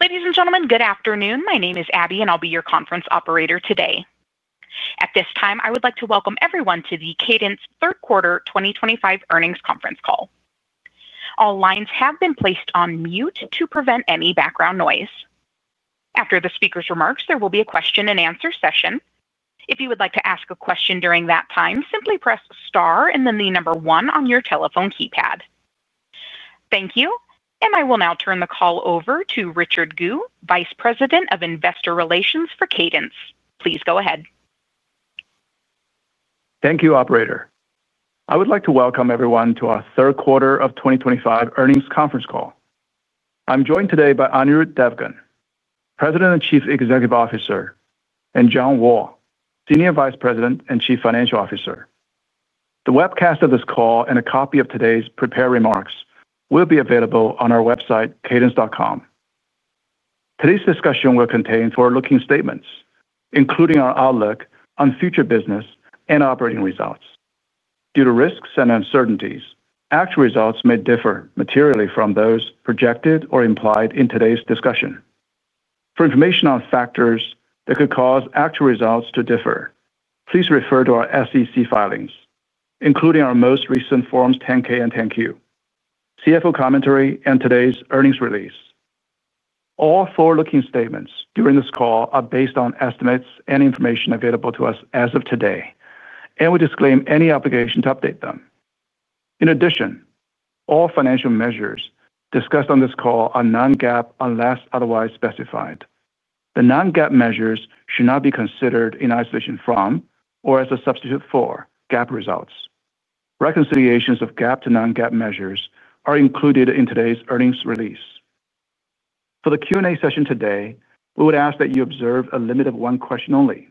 Ladies and gentlemen, good afternoon. My name is Abby, and I'll be your conference operator today. At this time, I would like to welcome everyone to the Cadence third quarter 2025 earnings conference call. All lines have been placed on mute to prevent any background noise. After the speaker's remarks, there will be a question and answer session. If you would like to ask a question during that time, simply press star and then the number one on your telephone keypad. Thank you. I will now turn the call over to Richard Gu, Vice President of Investor Relations for Cadence. Please go ahead. Thank you, Operator. I would like to welcome everyone to our third quarter of 2025 earnings conference call. I'm joined today by Anirudh Devgan, President and Chief Executive Officer, and John Wall, Senior Vice President and Chief Financial Officer. The webcast of this call and a copy of today's prepared remarks will be available on our website, cadence.com. Today's discussion will contain forward-looking statements, including our outlook on future business and operating results. Due to risks and uncertainties, actual results may differ materially from those projected or implied in today's discussion. For information on factors that could cause actual results to differ, please refer to our SEC filings, including our most recent Forms 10-K and 10-Q, CFO commentary, and today's earnings release. All forward-looking statements during this call are based on estimates and information available to us as of today, and we disclaim any obligation to update them. In addition, all financial measures discussed on this call are non-GAAP unless otherwise specified. The non-GAAP measures should not be considered in isolation from or as a substitute for GAAP results. Reconciliations of GAAP to non-GAAP measures are included in today's earnings release. For the Q&A session today, we would ask that you observe a limit of one question only.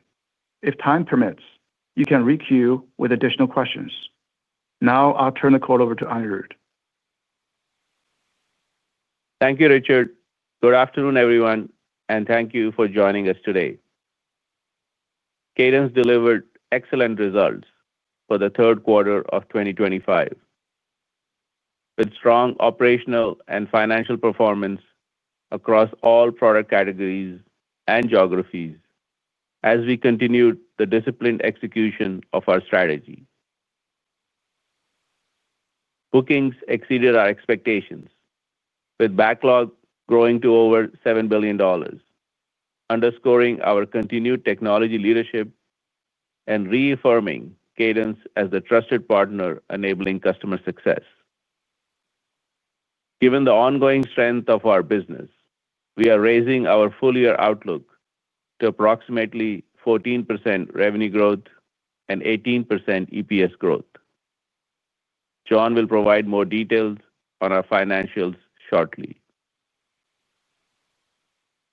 If time permits, you can re-queue with additional questions. Now, I'll turn the call over to Anirudh. Thank you, Richard. Good afternoon, everyone, and thank you for joining us today. Cadence delivered excellent results for the third quarter of 2025, with strong operational and financial performance across all product categories and geographies as we continued the disciplined execution of our strategy. Bookings exceeded our expectations, with backlog growing to over $7 billion, underscoring our continued technology leadership and reaffirming Cadence as the trusted partner enabling customer success. Given the ongoing strength of our business, we are raising our full-year outlook to approximately 14% revenue growth and 18% EPS growth. John will provide more details on our financials shortly.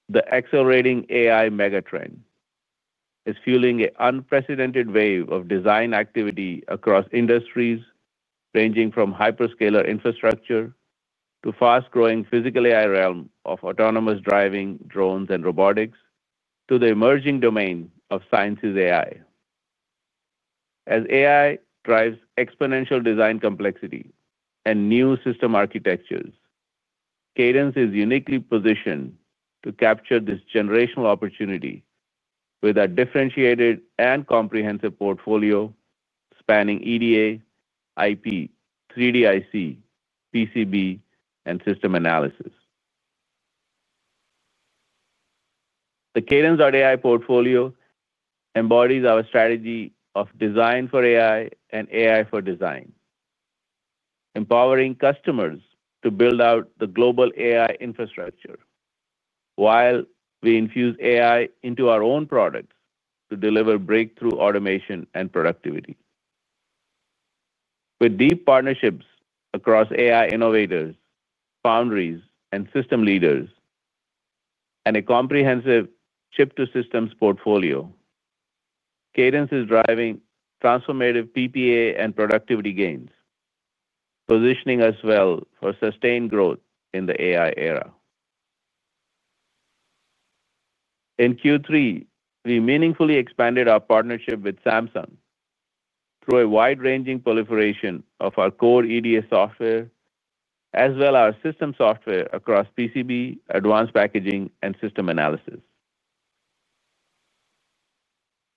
The accelerating AI megatrend is fueling an unprecedented wave of design activity across industries ranging from hyperscaler infrastructure to the fast-growing physical AI realm of autonomous driving, drones, and robotics, to the emerging domain of science's AI. As AI drives exponential design complexity and new system architectures, Cadence is uniquely positioned to capture this generational opportunity with a differentiated and comprehensive portfolio spanning EDA, IP, 3D-IC, PCB, and system analysis. The Cadence.AI portfolio embodies our strategy of design for AI and AI for design, empowering customers to build out the global AI infrastructure while we infuse AI into our own products to deliver breakthrough automation and productivity. With deep partnerships across AI innovators, foundries, and system leaders, and a comprehensive chip-to-systems portfolio, Cadence is driving transformative PPA and productivity gains, positioning us well for sustained growth in the AI era. In Q3, we meaningfully expanded our partnership with Samsung through a wide-ranging proliferation of our core EDA software as well as our system software across PCB, advanced packaging, and system analysis.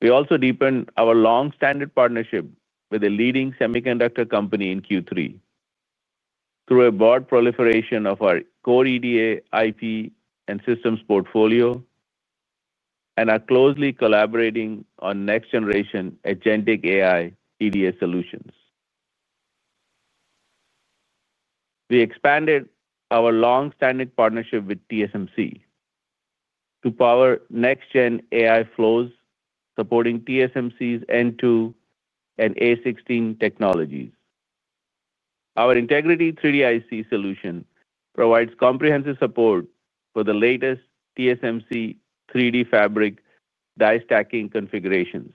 We also deepened our long-standing partnership with a leading semiconductor company in Q3 through a broad proliferation of our core EDA, IP, and systems portfolio, and are closely collaborating on next-generation agentic AI EDA solutions. We expanded our long-standing partnership with TSMC to power next-gen AI flows supporting TSMC's N2 and A16 technologies. Our Integrity 3D-IC solution provides comprehensive support for the latest TSMC 3D fabric die stacking configurations,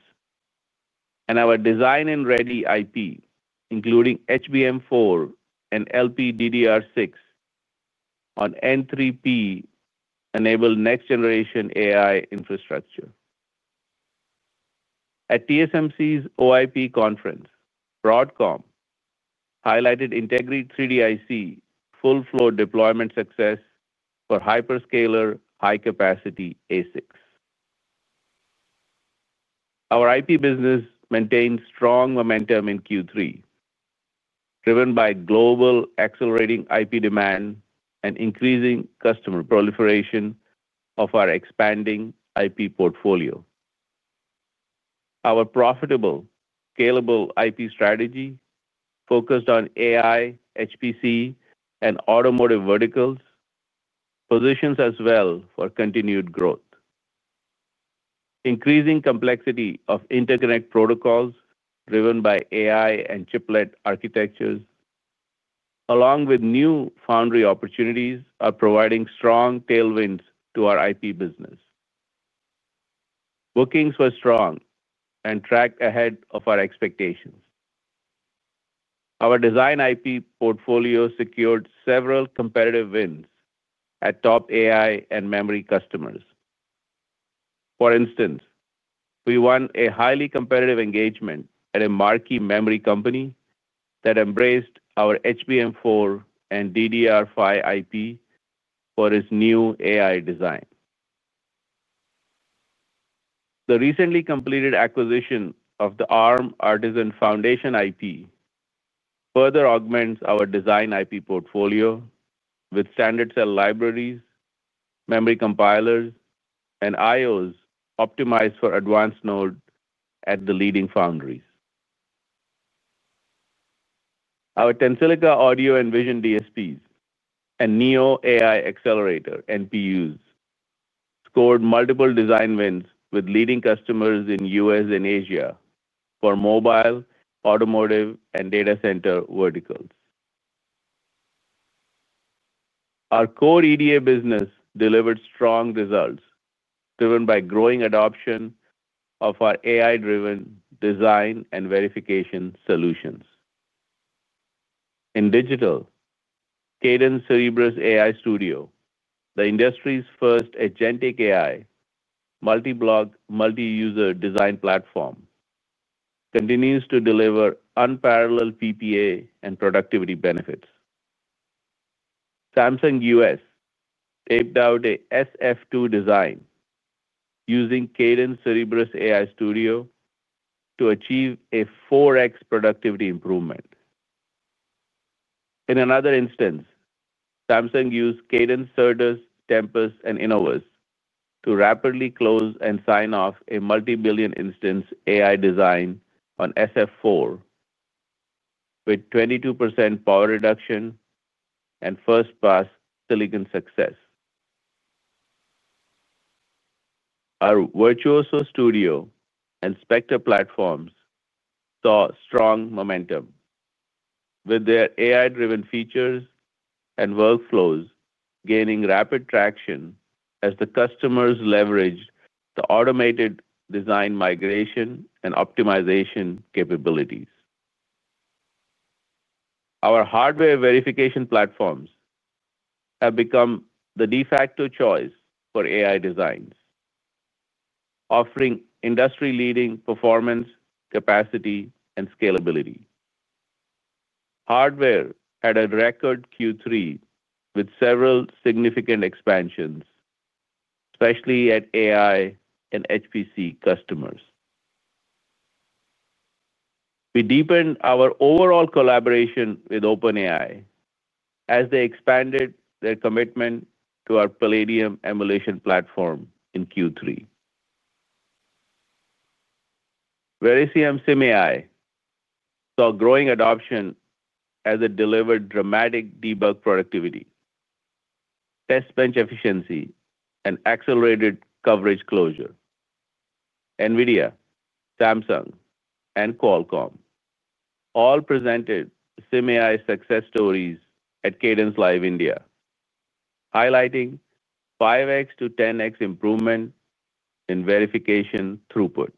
and our design and ready IP, including HBM4 and LPDDR6 on N3P, enable next-generation AI infrastructure. At TSMC's OIP conference, Broadcom highlighted Integrity 3D-IC full-flow deployment success for hyperscaler high-capacity ASICs. Our IP business maintains strong momentum in Q3, driven by global accelerating IP demand and increasing customer proliferation of our expanding IP portfolio. Our profitable, scalable IP strategy focused on AI, HPC, and automotive verticals positions us well for continued growth. Increasing complexity of interconnect protocols driven by AI and chiplet architectures, along with new foundry opportunities, are providing strong tailwinds to our IP business. Bookings were strong and tracked ahead of our expectations. Our design IP portfolio secured several competitive wins at top AI and memory customers. For instance, we won a highly competitive engagement at a marquee memory company that embraced our HBM4 and DDR5 IP for its new AI design. The recently completed acquisition of the Arm Artisan foundation IP further augments our design IP portfolio with standard cell libraries, memory compilers, and I/Os optimized for advanced node at the leading foundries. Our Tensilica audio and Vision DSPs and Neo AI accelerator NPUs scored multiple design wins with leading customers in the U.S. and Asia for mobile, automotive, and data center verticals. Our core EDA business delivered strong results driven by growing adoption of our AI-driven design and verification solutions. In digital, Cadence Cerebrus AI Studio, the industry's first agentic AI multi-block, multi-user design platform, continues to deliver unparalleled PPA and productivity benefits. Samsung U.S. taped out a SF2 design using Cadence Cerebrus AI Studio to achieve a 4x productivity improvement. In another instance, Samsung used Cadence Certus, Tempus, and Innovus to rapidly close and sign off a multi-billion instance AI design on SF4 with 22% power reduction and first-pass silicon success. Our Virtuoso Studio and Spectre platforms saw strong momentum with their AI-driven features and workflows gaining rapid traction as the customers leveraged the automated design migration and optimization capabilities. Our hardware verification platforms have become the de facto choice for AI designs, offering industry-leading performance, capacity, and scalability. Hardware had a record Q3 with several significant expansions, especially at AI and HPC customers. We deepened our overall collaboration with OpenAI as they expanded their commitment to our Palladium emulation platform in Q3. Verisium SimAI saw growing adoption as it delivered dramatic debug productivity, test bench efficiency, and accelerated coverage closure. NVIDIA, Samsung, and Qualcomm all presented SimAI success stories at Cadence Live India, highlighting 5x-10x improvement in verification throughput.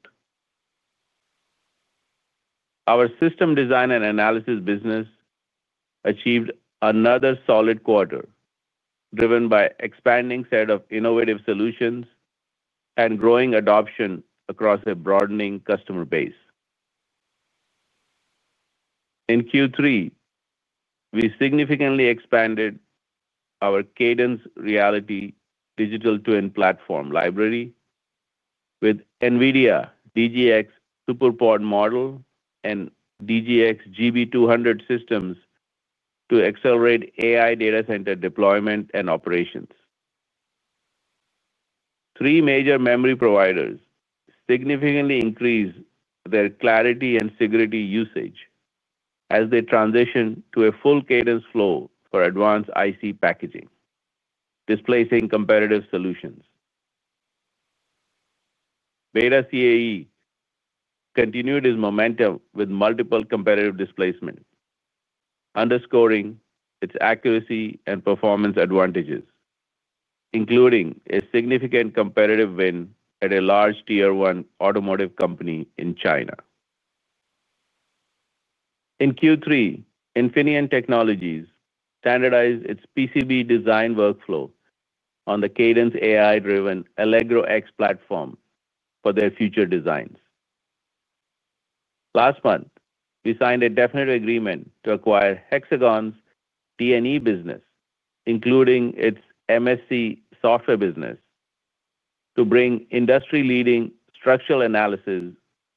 Our system design and analysis business achieved another solid quarter, driven by an expanding set of innovative solutions and growing adoption across a broadening customer base. In Q3, we significantly expanded our Cadence Reality Digital Twin Platform library with NVIDIA DGX SuperPOD model and DGX GB200 systems to accelerate AI data center deployment and operations. Three major memory providers significantly increased their Clarity and security usage as they transitioned to a full Cadence flow for advanced IC packaging, displacing competitive solutions. BETA CAE continued its momentum with multiple competitive displacements, underscoring its accuracy and performance advantages, including a significant competitive win at a large Tier 1 automotive company in China. In Q3, Infineon Technologies standardized its PCB design workflow on the Cadence AI-driven Allegro X platform for their future designs. Last month, we signed a definitive agreement to acquire Hexagon's D&E business, including its MSC software business, to bring industry-leading structural analysis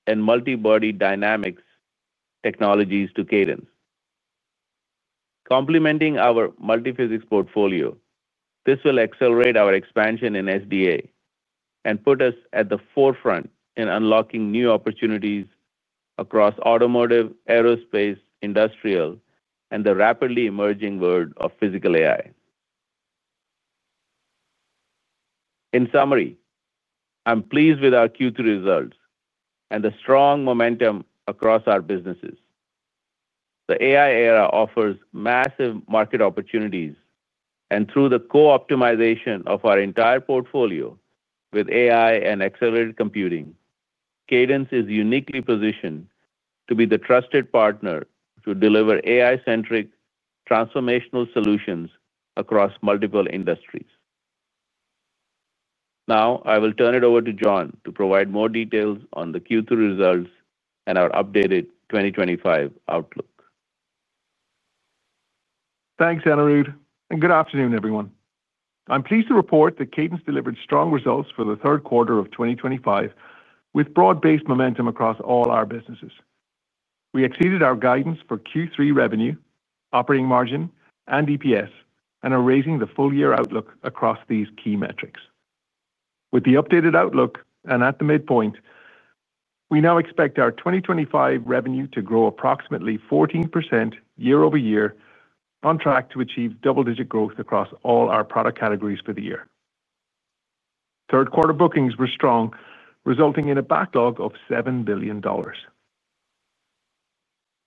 and multi-body dynamics technologies to Cadence. Complementing our multi-physics portfolio, this will accelerate our expansion in SDA and put us at the forefront in unlocking new opportunities across automotive, aerospace, industrial, and the rapidly emerging world of physical AI. In summary, I'm pleased with our Q3 results and the strong momentum across our businesses. The AI era offers massive market opportunities, and through the co-optimization of our entire portfolio with AI and accelerated computing, Cadence is uniquely positioned to be the trusted partner to deliver AI-centric transformational solutions across multiple industries. Now, I will turn it over to John to provide more details on the Q3 results and our updated 2025 outlook. Thanks, Anirudh, and good afternoon, everyone. I'm pleased to report that Cadence delivered strong results for the third quarter of 2025 with broad-based momentum across all our businesses. We exceeded our guidance for Q3 revenue, operating margin, and EPS, and are raising the full-year outlook across these key metrics. With the updated outlook and at the midpoint, we now expect our 2025 revenue to grow approximately 14% year-over-year, on track to achieve double-digit growth across all our product categories for the year. Third quarter bookings were strong, resulting in a backlog of $7 billion.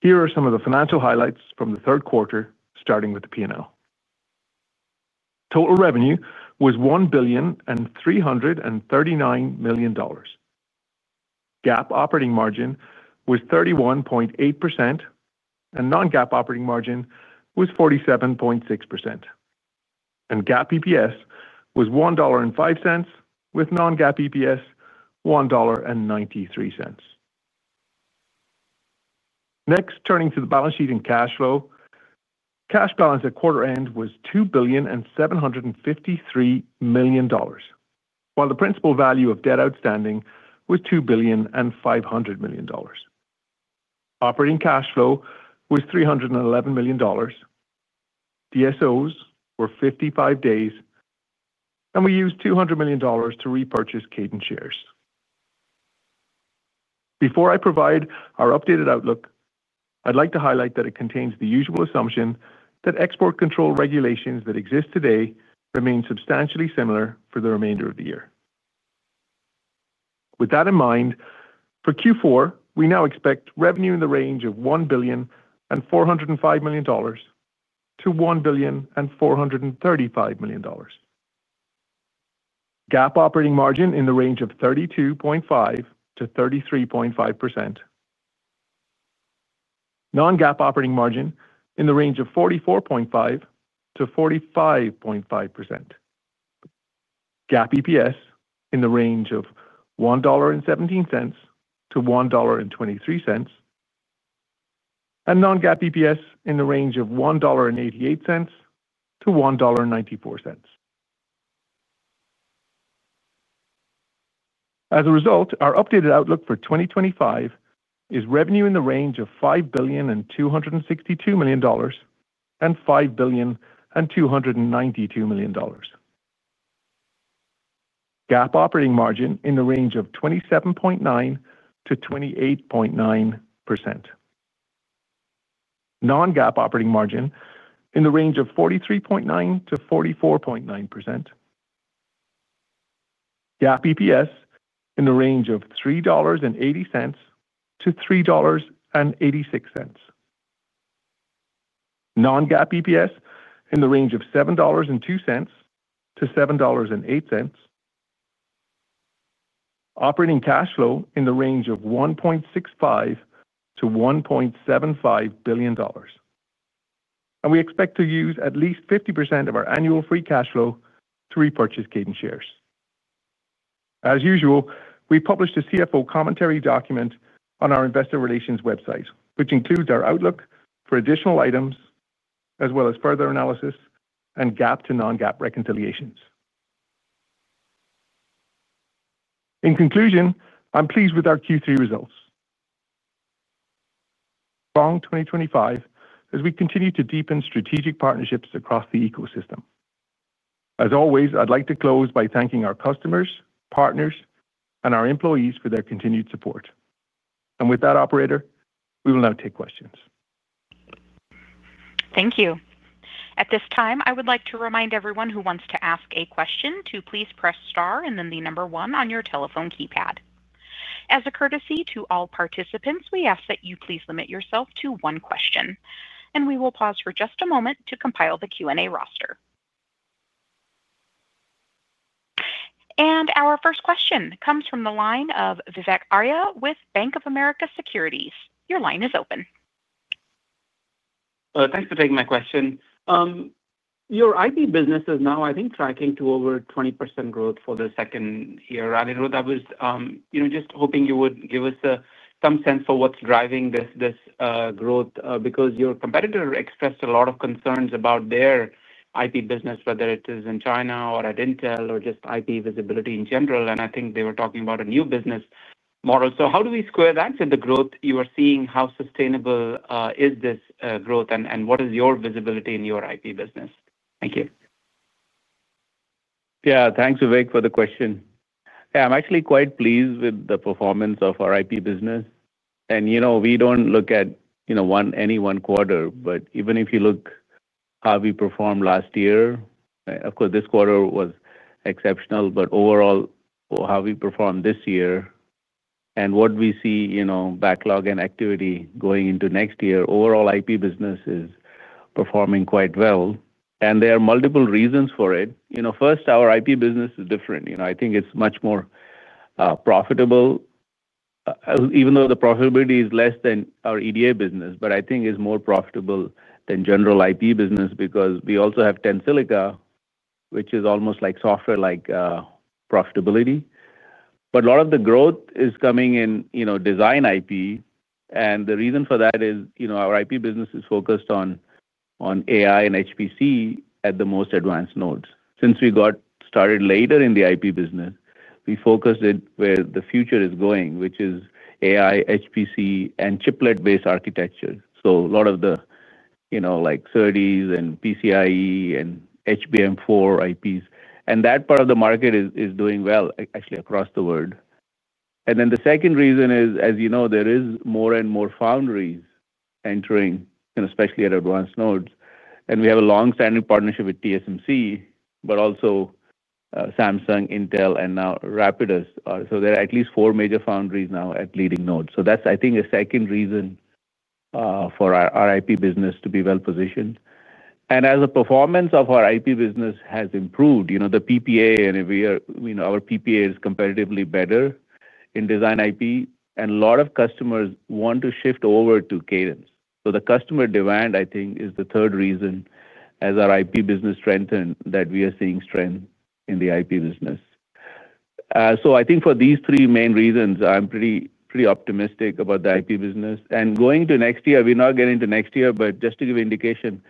Here are some of the financial highlights from the third quarter, starting with the P&L. Total revenue was $1.339 billion. GAAP operating margin was 31.8%, and non-GAAP operating margin was 47.6%. GAAP EPS was $1.05, with non-GAAP EPS $1.93. Next, turning to the balance sheet and cash flow, cash balance at quarter end was $2.753 billion, while the principal value of debt outstanding was $2.5 billion. Operating cash flow was $311 million. DSOs were 55 days, and we used $200 million to repurchase Cadence shares. Before I provide our updated outlook, I'd like to highlight that it contains the usual assumption that export control regulations that exist today remain substantially similar for the remainder of the year. With that in mind, for Q4, we now expect revenue in the range of $1.405 billion-$1.435 billion. GAAP operating margin in the range of 32.5%-33.5%. Non-GAAP operating margin in the range of 44.5%-45.5%. GAAP EPS in the range of $1.17-$1.23, and non-GAAP EPS in the range of $1.88-$1.94. As a result, our updated outlook for 2025 is revenue in the range of $5.262 billion-$5.292 billion. GAAP operating margin in the range of 27.9%-28.9%. Non-GAAP operating margin in the range of 43.9%-44.9%. GAAP EPS in the range of $3.80-$3.86. Non-GAAP EPS in the range of $7.02- $7.08. Operating cash flow in the range of $1.65 billion- $1.75 billion, and we expect to use at least 50% of our annual free cash flow to repurchase Cadence shares. As usual, we published a CFO commentary document on our investor relations website, which includes our outlook for additional items, as well as further analysis and GAAP to non-GAAP reconciliations. In conclusion, I'm pleased with our Q3 results. Strong 2025 as we continue to deepen strategic partnerships across the ecosystem. As always, I'd like to close by thanking our customers, partners, and our employees for their continued support. With that, Operator, we will now take questions. Thank you. At this time, I would like to remind everyone who wants to ask a question to please press star and then the number one on your telephone keypad. As a courtesy to all participants, we ask that you please limit yourself to one question. We will pause for just a moment to compile the Q&A roster. Our first question comes from the line of Vivek Arya with Bank of America Securities. Your line is open. Thanks for taking my question. Your IP business is now, I think, tracking to over 20% growth for the second year. Anirudh, I was just hoping you would give us some sense for what's driving this growth because your competitor expressed a lot of concerns about their IP business, whether it is in China or at Intel or just IP visibility in general. I think they were talking about a new business model. How do we square that with the growth you are seeing? How sustainable is this growth, and what is your visibility in your IP business? Thank you. Yeah, thanks, Vivek, for the question. I'm actually quite pleased with the performance of our IP business. We don't look at any one quarter, but even if you look at how we performed last year, of course, this quarter was exceptional, but overall, how we performed this year and what we see, backlog and activity going into next year, overall IP business is performing quite well. There are multiple reasons for it. First, our IP business is different. I think it's much more profitable, even though the profitability is less than our EDA business, but I think it's more profitable than general IP business because we also have Tensilica, which is almost like software-like profitability. A lot of the growth is coming in design IP. The reason for that is our IP business is focused on AI and HPC at the most advanced nodes. Since we got started later in the IP business, we focused it where the future is going, which is AI, HPC, and chiplet-based architecture. A lot of the SerDes and PCIe and HBM4 IPs, and that part of the market is doing well, actually, across the world. The second reason is, as you know, there are more and more foundries entering, especially at advanced nodes. We have a long-standing partnership with TSMC, but also Samsung, Intel, and now Rapidus. There are at least four major foundries now at leading nodes. That's a second reason for our IP business to be well positioned. As the performance of our IP business has improved, the PPA, and if we are, our PPA is competitively better in design IP, and a lot of customers want to shift over to Cadence. The customer demand, I think, is the third reason, as our IP business strengthened, that we are seeing strength in the IP business. For these three main reasons, I'm pretty, pretty optimistic about the IP business. Going to next year, we're not getting to next year, but just to give an indication,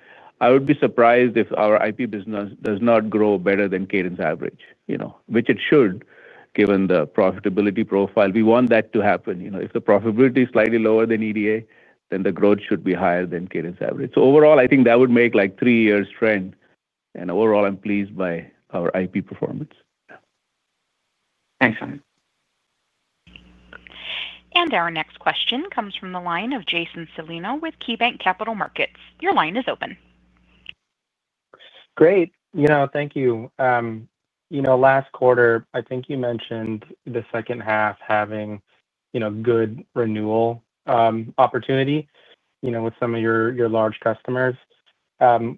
I would be surprised if our IP business does not grow better than Cadence's average, which it should, given the profitability profile. We want that to happen. If the profitability is slightly lower than EDA, then the growth should be higher than Cadence's average. Overall, I think that would make like three years strength. Overall, I'm pleased by our IP performance. Excellent. Our next question comes from the line of Jason Celino with KeyBanc Capital Markets. Your line is open. Great, thank you. Last quarter, I think you mentioned the second half having good renewal opportunity with some of your large customers.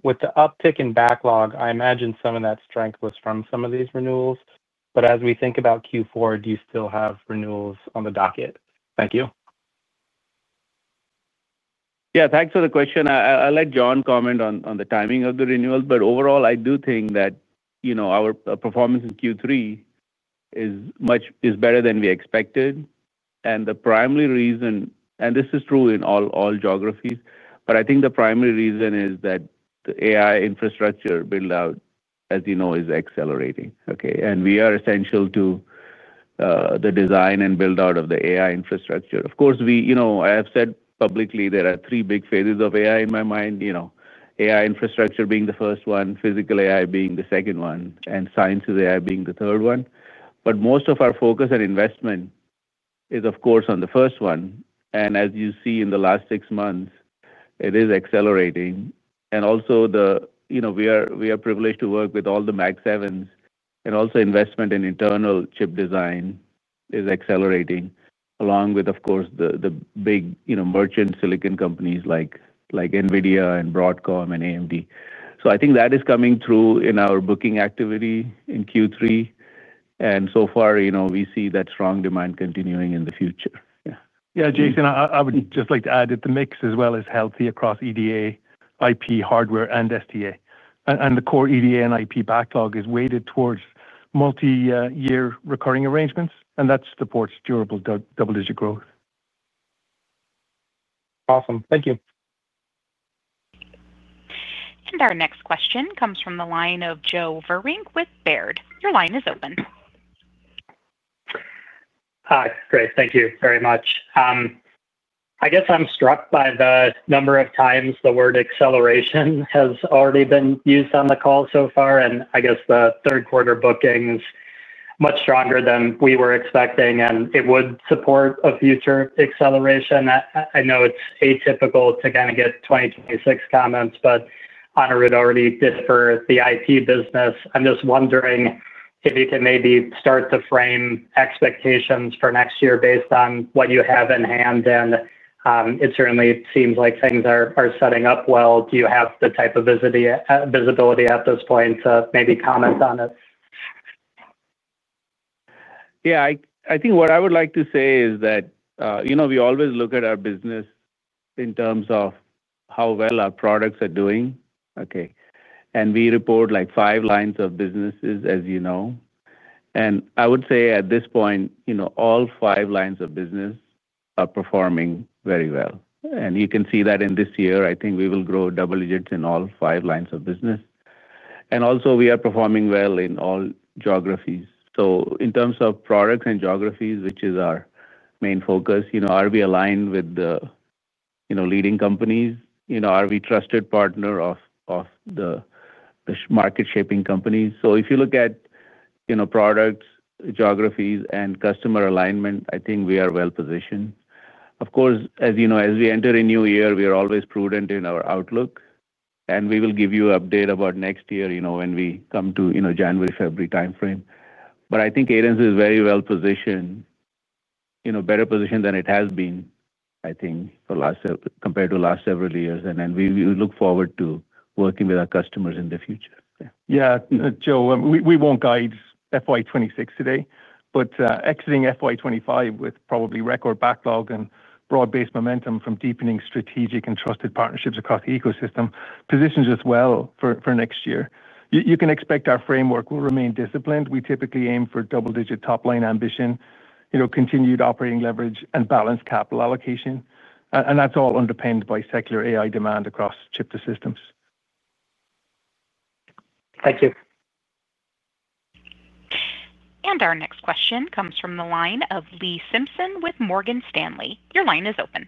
With the uptick in backlog, I imagine some of that strength was from some of these renewals. As we think about Q4, do you still have renewals on the docket? Thank you. Yeah, thanks for the question. I'll let John comment on the timing of the renewals. Overall, I do think that our performance in Q3 is much better than we expected. The primary reason, and this is true in all geographies, is that the AI infrastructure build-out, as you know, is accelerating. We are essential to the design and build-out of the AI infrastructure. Of course, I have said publicly there are three big phases of AI in my mind: AI infrastructure being the first one, physical AI being the second one, and science's AI being the third one. Most of our focus and investment is on the first one. As you see in the last six months, it is accelerating. We are privileged to work with all the Mag Sevens. Investment in internal chip design is accelerating, along with the big merchant silicon companies like NVIDIA, Broadcom, and AMD. I think that is coming through in our booking activity in Q3. So far, we see that strong demand continuing in the future. Jason, I would just like to add that the mix is as healthy across EDA, IP, hardware, and SDA. The core EDA and IP backlog is weighted towards multi-year recurring arrangements, and that supports durable double-digit growth. Awesome. Thank you. Our next question comes from the line of Joe Vruwink with Baird. Your line is open. Hi. Great. Thank you very much. I guess I'm struck by the number of times the word acceleration has already been used on the call so far. I guess the third quarter bookings, much stronger than we were expecting, and it would support a future acceleration. I know it's atypical to kind of get 2026 comments, but Anirudh already did for the IP business. I'm just wondering if you can maybe start to frame expectations for next year based on what you have in hand. It certainly seems like things are setting up well. Do you have the type of visibility at this point to maybe comment on it? Yeah, I think what I would like to say is that we always look at our business in terms of how well our products are doing. We report like five lines of business, as you know. I would say at this point all five lines of business are performing very well. You can see that in this year, I think we will grow double digits in all five lines of business. We are performing well in all geographies. In terms of products and geographies, which is our main focus, are we aligned with the leading companies? Are we a trusted partner of the market-shaping companies? If you look at products, geographies, and customer alignment, I think we are well positioned. Of course, as you know, as we enter a new year, we are always prudent in our outlook. We will give you an update about next year when we come to January, February timeframe. I think Cadence is very well positioned, better positioned than it has been, I think, compared to the last several years. We look forward to working with our customers in the future. Yeah, Joe, we won't guide FY 2026 today, but exiting FY 2025 with probably record backlog and broad-based momentum from deepening strategic and trusted partnerships across the ecosystem positions us well for next year. You can expect our framework will remain disciplined. We typically aim for double-digit top-line ambition, continued operating leverage, and balanced capital allocation. That's all underpinned by secular AI demand across chip-to-systems. Thank you. Our next question comes from the line of Lee Simpson with Morgan Stanley. Your line is open.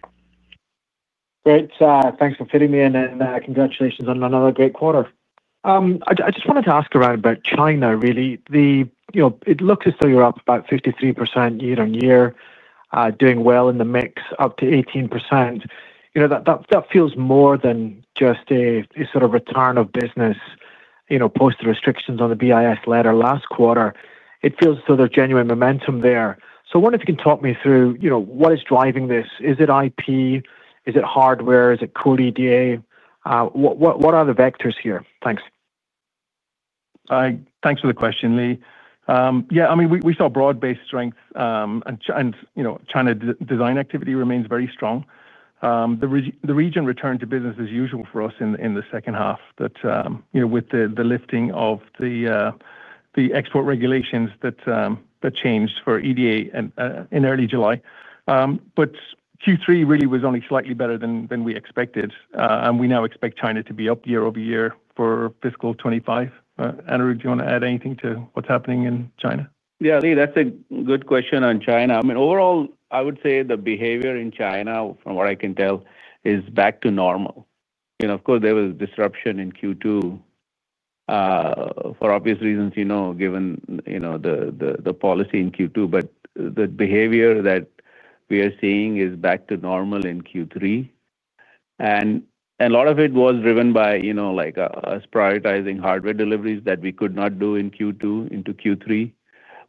Great. Thanks for fitting me in, and congratulations on another great quarter. I just wanted to ask around about China, really. It looks as though you're up about 53% year on year, doing well in the mix, up to 18%. That feels more than just a sort of return of business post the restrictions on the BIS letter last quarter. It feels as though there's genuine momentum there. I wonder if you can talk me through what is driving this. Is it IP? Is it hardware? Is it core EDA? What are the vectors here? Thanks. Thanks for the question, Lee. Yeah, I mean, we saw broad-based strength, and China design activity remains very strong. The region returned to business as usual for us in the second half with the lifting of the export regulations that changed for EDA in early July. Q3 really was only slightly better than we expected. We now expect China to be up year-over-year for fiscal 2025. Anirudh, do you want to add anything to what's happening in China? Yeah, Lee, that's a good question on China. I mean, overall, I would say the behavior in China, from what I can tell, is back to normal. Of course, there was disruption in Q2 for obvious reasons, given the policy in Q2. The behavior that we are seeing is back to normal in Q3, and a lot of it was driven by us prioritizing hardware deliveries that we could not do in Q2 into Q3.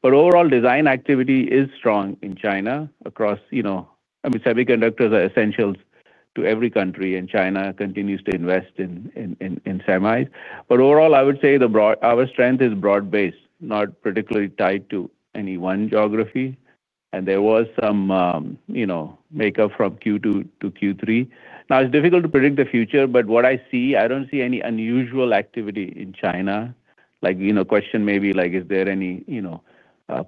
Overall, design activity is strong in China across, I mean, semiconductors are essential to every country, and China continues to invest in semis. Overall, I would say our strength is broad-based, not particularly tied to any one geography. There was some makeup from Q2 to Q3. Now, it's difficult to predict the future, but what I see, I don't see any unusual activity in China. The question may be, is there any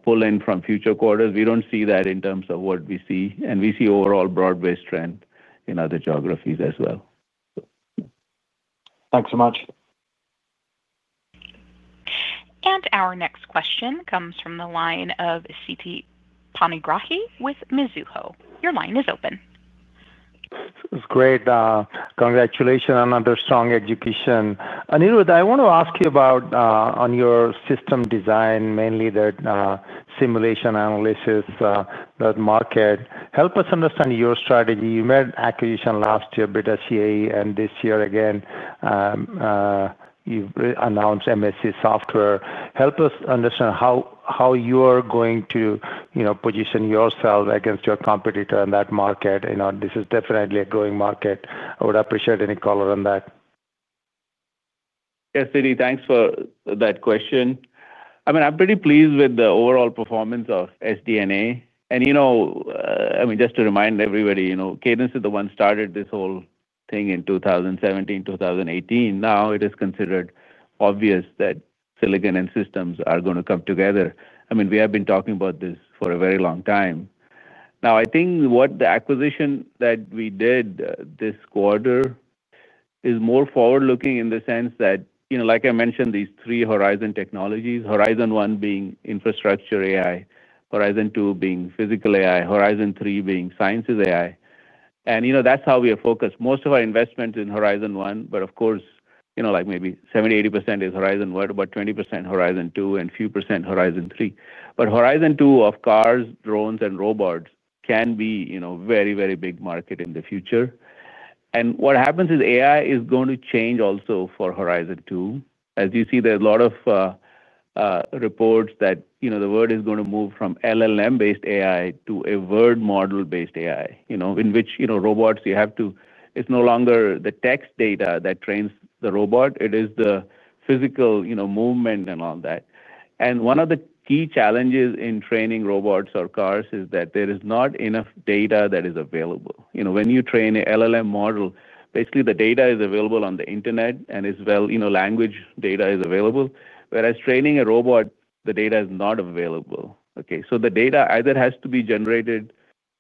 pull-in from future quarters? We don't see that in terms of what we see, and we see overall broad-based strength in other geographies as well. Thanks so much. Our next question comes from the line of Siti Panigrahi with Mizuho. Your line is open. It's great. Congratulations on another strong execution. Anirudh, I want to ask you about your system design, mainly that simulation analysis, that market. Help us understand your strategy. You made acquisition last year, BETA CAE, and this year again, you've announced MSC software. Help us understand how you are going to, you know, position yourself against your competitor in that market. You know, this is definitely a growing market. I would appreciate any color on that. Yes, Siti, thanks for that question. I'm pretty pleased with the overall performance of SDA. Just to remind everybody, Cadence is the one that started this whole thing in 2017, 2018. Now it is considered obvious that silicon and systems are going to come together. We have been talking about this for a very long time. I think what the acquisition that we did this quarter is more forward-looking in the sense that, like I mentioned, these three Horizon technologies, Horizon 1 being infrastructure AI, Horizon 2 being physical AI, Horizon 3 being sciences AI. That's how we are focused. Most of our investments are in Horizon 1, but of course, maybe 70%-80% is Horizon 1, about 20% Horizon 2, and a few percent Horizon 3. Horizon 2 of cars, drones, and robots can be a very, very big market in the future. What happens is AI is going to change also for Horizon 2. As you see, there are a lot of reports that the world is going to move from LLM-based AI to a world-model-based AI, in which robots, you have to, it's no longer the text data that trains the robot. It is the physical movement and all that. One of the key challenges in training robots or cars is that there is not enough data that is available. When you train an LLM model, basically, the data is available on the internet, and as well, language data is available. Whereas training a robot, the data is not available. The data either has to be generated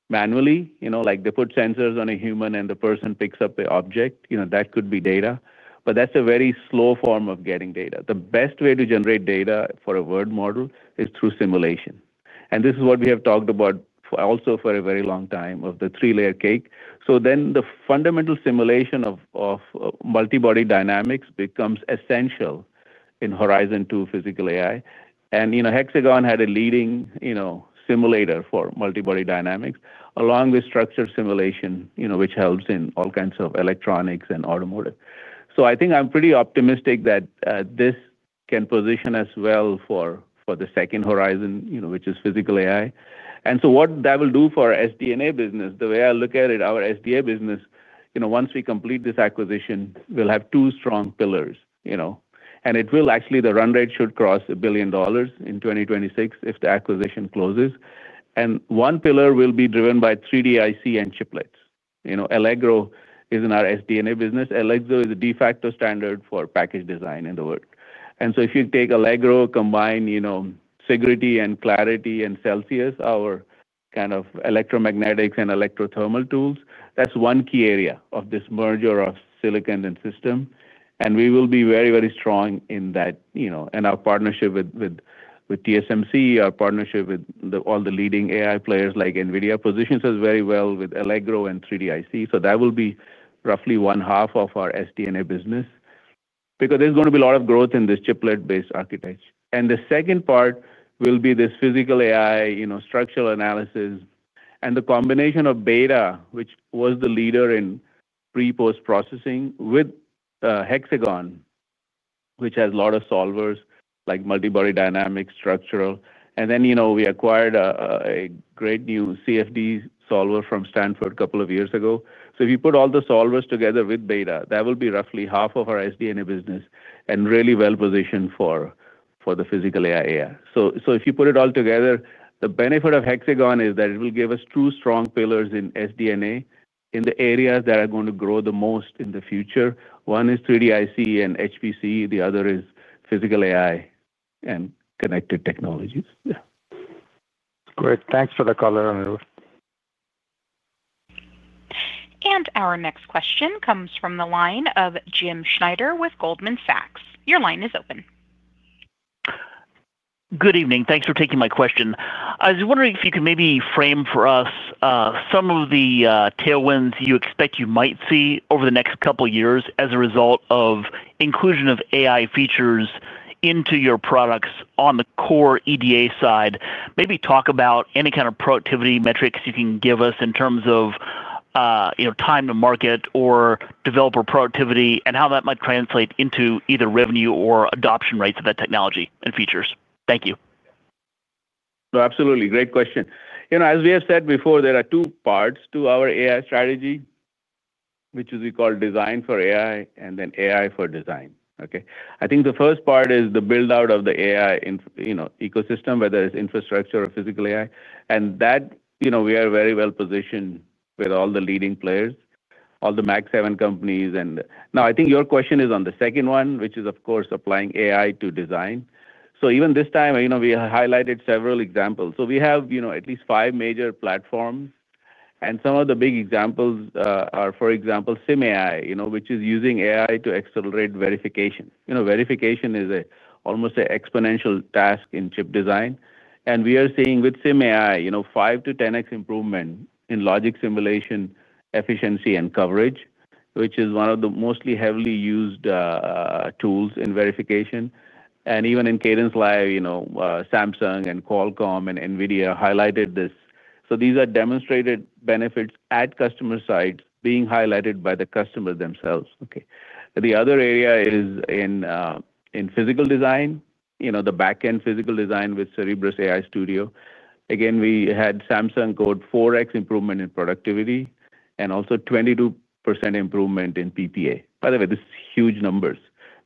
manually, like they put sensors on a human and the person picks up the object. That could be data, but that's a very slow form of getting data. The best way to generate data for a world model is through simulation. This is what we have talked about also for a very long time of the three-layer cake. The fundamental simulation of multi-body dynamics becomes essential in Horizon 2 physical AI. Hexagon had a leading simulator for multi-body dynamics, along with structured simulation, which helps in all kinds of electronics and automotive. I'm pretty optimistic that this can position us well for the second horizon, which is physical AI. What that will do for our SDA business, the way I look at it, our SDA business, once we complete this acquisition, we'll have two strong pillars, and it will actually, the run rate should cross $1 billion in 2026 if the acquisition closes. One pillar will be driven by 3D-IC and chiplets. Allegro is in our SDA business. Allegro is a de facto standard for package design in the world. If you take Allegro, combine security and Clarity and Celsius, our kind of electromagnetics and electrothermal tools, that's one key area of this merger of silicon and system. We will be very, very strong in that, and our partnership with TSMC, our partnership with all the leading AI players like NVIDIA positions us very well with Allegro and 3D-IC. That will be roughly one half of our SDA business because there's going to be a lot of growth in this chiplet-based architecture. The second part will be this physical AI, structural analysis, and the combination of BETA, which was the leader in pre-post processing, with Hexagon, which has a lot of solvers like multi-body dynamics, structural. We acquired a great new CFD solver from Stanford a couple of years ago. If you put all the solvers together with BETA, that will be roughly half of our SDA business and really well positioned for the physical AI. If you put it all together, the benefit of Hexagon is that it will give us two strong pillars in SDA in the areas that are going to grow the most in the future. One is 3D-IC and HPC, the other is physical AI and connected technologies. Great. Thanks for the color, Anirudh. Our next question comes from the line of Jim Schneider with Goldman Sachs. Your line is open. Good evening. Thanks for taking my question. I was wondering if you could maybe frame for us some of the tailwinds you expect you might see over the next couple of years as a result of inclusion of AI features into your products on the core EDA side. Maybe talk about any kind of productivity metrics you can give us in terms of, you know, time to market or developer productivity and how that might translate into either revenue or adoption rates of that technology and features. Thank you. No, absolutely. Great question. You know, as we have said before, there are two parts to our AI strategy, which is we call design for AI and then AI for design. I think the first part is the build-out of the AI, you know, ecosystem, whether it's infrastructure or physical AI. We are very well positioned with all the leading players, all the Mag 7 companies. I think your question is on the second one, which is, of course, applying AI to design. Even this time, we highlighted several examples. We have at least five major platforms. Some of the big examples are, for example, SimAI, which is using AI to accelerate verification. Verification is almost an exponential task in chip design. We are seeing with SimAI, 5x-10x improvement in logic simulation efficiency and coverage, which is one of the most heavily used tools in verification. Even in Cadence Live, Samsung and Qualcomm and NVIDIA highlighted this. These are demonstrated benefits at customer sites being highlighted by the customer themselves. The other area is in physical design, the backend physical design with Cerebrus AI Studio. Again, we had Samsung quote 4x improvement in productivity and also 22% improvement in PPA. By the way, these are huge numbers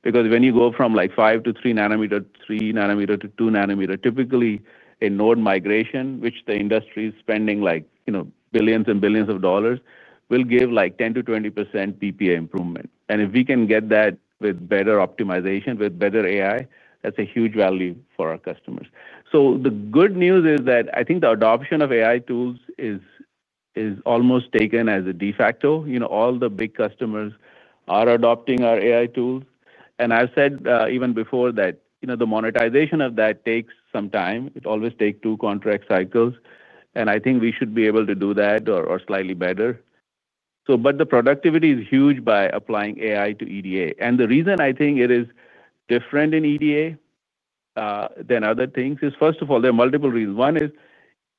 because when you go from 5 nm to 3 nm, 3 nm to 2 nm, typically a node migration, which the industry is spending billions and billions of dollars, will give 10%-20% PPA improvement. If we can get that with better optimization, with better AI, that's a huge value for our customers. The good news is that the adoption of AI tools is almost taken as a de facto. All the big customers are adopting our AI tools. I've said even before that the monetization of that takes some time. It always takes two contract cycles. I think we should be able to do that or slightly better. The productivity is huge by applying AI to EDA. The reason I think it is different in EDA than other things is, first of all, there are multiple reasons. One is,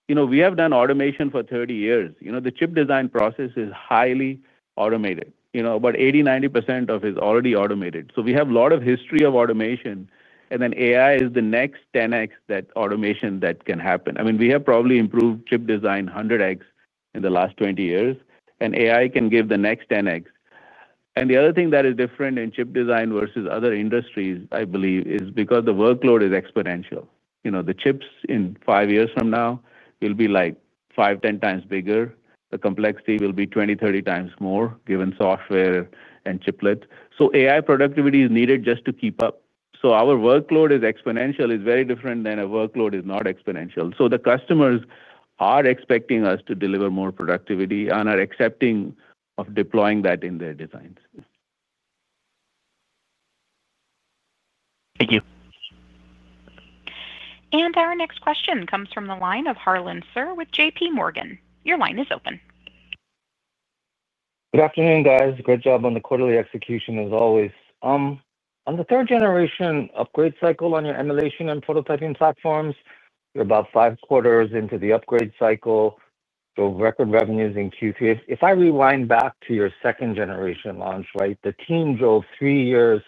we have done automation for 30 years. The chip design process is highly automated. About 80%-90% of it is already automated. We have a lot of history of automation. AI is the next 10x that automation can happen. I mean, we have probably improved chip design 100x in the last 20 years. AI can give the next 10x. The other thing that is different in chip design versus other industries, I believe, is because the workload is exponential. The chips in five years from now will be like 5x-10x bigger. The complexity will be 20x-30x more given software and chiplet. AI productivity is needed just to keep up. Our workload is exponential. It's very different than a workload that is not exponential. The customers are expecting us to deliver more productivity and are accepting of deploying that in their designs. Thank you. Our next question comes from the line of Harlan Sur with JPMorgan. Your line is open. Good afternoon, guys. Great job on the quarterly execution as always. On the third generation upgrade cycle on your emulation and prototyping platforms, you're about five quarters into the upgrade cycle. Your record revenues in Q3. If I rewind back to your second generation launch, right, the team drove three years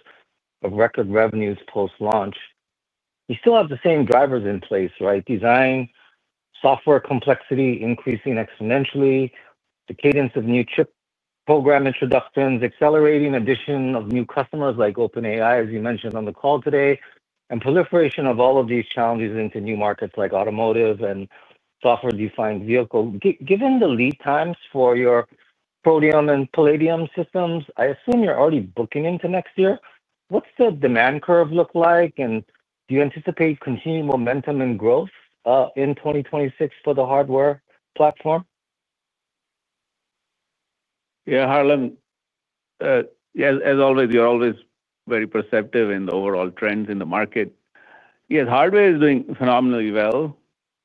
of record revenues post-launch. You still have the same drivers in place, right? Design, software complexity increasing exponentially, the cadence of new chip program introductions, accelerating addition of new customers like OpenAI, as you mentioned on the call today, and proliferation of all of these challenges into new markets like automotive and software-defined vehicle. Given the lead times for your Protium and Palladium systems, I assume you're already booking into next year. What's the demand curve look like? Do you anticipate continued momentum and growth in 2026 for the hardware platform? Yeah, Harlan, as always, you're always very perceptive in the overall trends in the market. Yes, hardware is doing phenomenally well,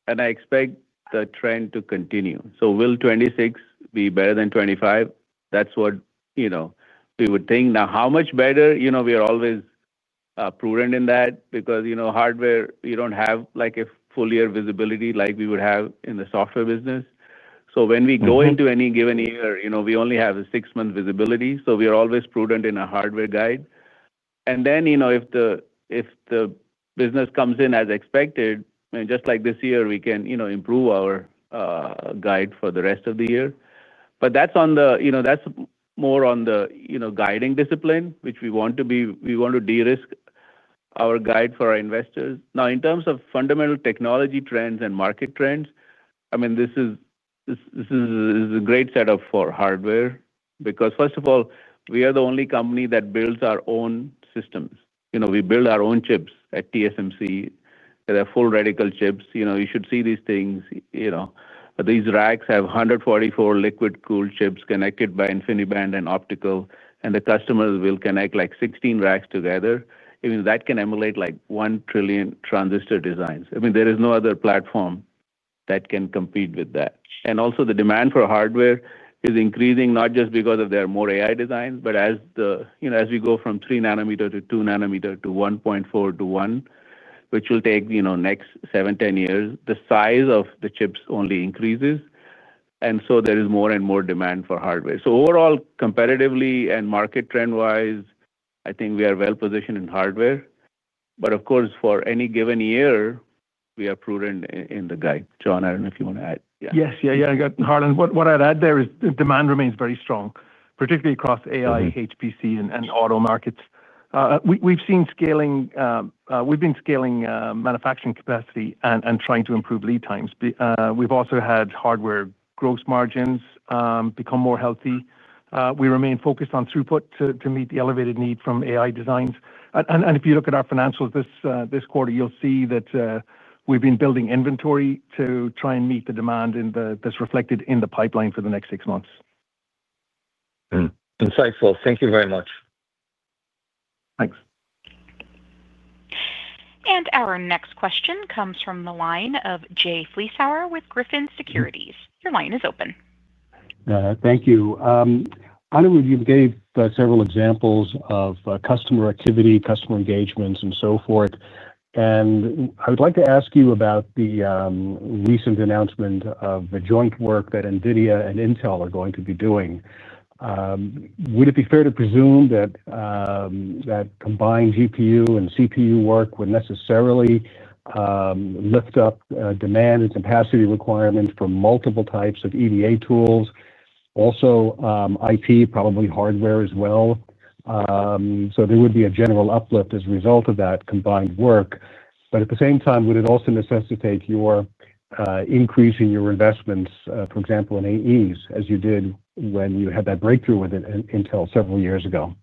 and I expect the trend to continue. Will 2026 be better than 2025? That's what, you know, we would think. Now, how much better, you know, we are always prudent in that because, you know, hardware, we don't have like a full year visibility like we would have in the software business. When we go into any given year, you know, we only have a six-month visibility. We are always prudent in a hardware guide. If the business comes in as expected, just like this year, we can, you know, improve our guide for the rest of the year. That's more on the guiding discipline, which we want to be, we want to de-risk our guide for our investors. Now, in terms of fundamental technology trends and market trends, this is a great setup for hardware because, first of all, we are the only company that builds our own systems. We build our own chips at TSMC. They're full radical chips. You should see these things. These racks have 144 liquid-cooled chips connected by InfiniBand and optical, and the customers will connect like 16 racks together. That can emulate like 1 trillion transistor designs. There is no other platform that can compete with that. Also, the demand for hardware is increasing, not just because there are more AI designs, but as we go from 3 nm to 2 nm to 1.4 nm to 1 nm, which will take, you know, next 7-10 years, the size of the chips only increases. There is more and more demand for hardware. Overall, competitively and market trend-wise, I think we are well positioned in hardware. Of course, for any given year, we are prudent in the guide. John, I don't know if you want to add. Yes, Harlan, what I'd add there is the demand remains very strong, particularly across AI, HPC, and auto markets. We've seen scaling, we've been scaling manufacturing capacity and trying to improve lead times. We've also had hardware growth margins become more healthy. We remain focused on throughput to meet the elevated need from AI designs. If you look at our financials this quarter, you'll see that we've been building inventory to try and meet the demand that's reflected in the pipeline for the next six months. Insightful. Thank you very much. Thanks. Our next question comes from the line of Jay Vleeschhouwer with Griffin Securities. Your line is open. Thank you. Anirudh, you gave several examples of customer activity, customer engagements, and so forth. I would like to ask you about the recent announcement of the joint work that NVIDIA and Intel are going to be doing. Would it be fair to presume that that combined GPU and CPU work would necessarily lift up demand and capacity requirements for multiple types of EDA tools? Also, IP, probably hardware as well. There would be a general uplift as a result of that combined work. At the same time, would it also necessitate increasing your investments, for example, in AEs, as you did when you had that breakthrough with Intel several years ago?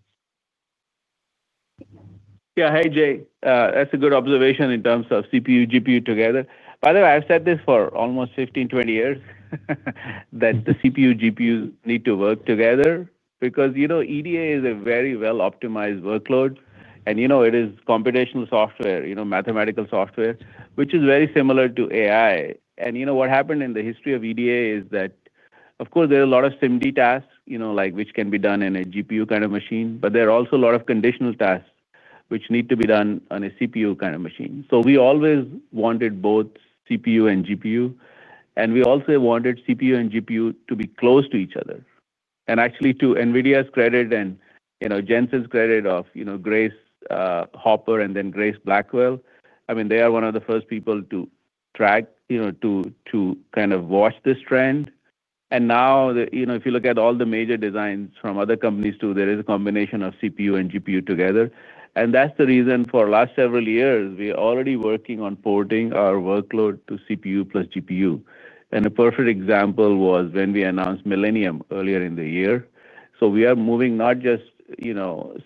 Yeah, hey, Jay, that's a good observation in terms of CPU, GPU together. By the way, I've said this for almost 15-20 years, that the CPU, GPU need to work together because, you know, EDA is a very well-optimized workload. It is computational software, mathematical software, which is very similar to AI. What happened in the history of EDA is that, of course, there are a lot of SIMD tasks, like which can be done in a GPU kind of machine, but there are also a lot of conditional tasks which need to be done on a CPU kind of machine. We always wanted both CPU and GPU. We also wanted CPU and GPU to be close to each other. Actually, to NVIDIA's credit and, you know, Jensen's credit of, you know, Grace Hopper and then Grace Blackwell, I mean, they are one of the first people to track, to kind of watch this trend. Now, if you look at all the major designs from other companies too, there is a combination of CPU and GPU together. That's the reason for the last several years, we are already working on porting our workload to CPU plus GPU. A perfect example was when we announced Millennium earlier in the year. We are moving not just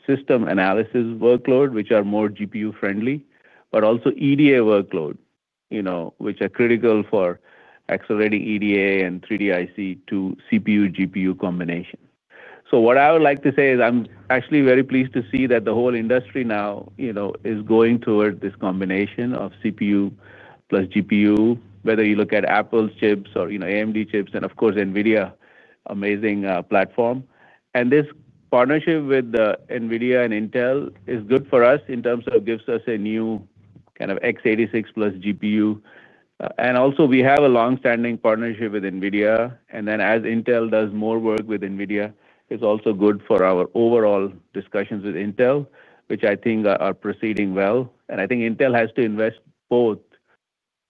system analysis workload, which are more GPU friendly, but also EDA workload, which are critical for accelerating EDA and 3D-IC to CPU-GPU combination. What I would like to say is I'm actually very pleased to see that the whole industry now is going toward this combination of CPU plus GPU, whether you look at Apple's chips or AMD chips, and of course, NVIDIA's amazing platform. This partnership with NVIDIA and Intel is good for us in terms of giving us a new kind of x86 plus GPU. We have a longstanding partnership with NVIDIA. As Intel does more work with NVIDIA, it's also good for our overall discussions with Intel, which I think are proceeding well. I think Intel has to invest both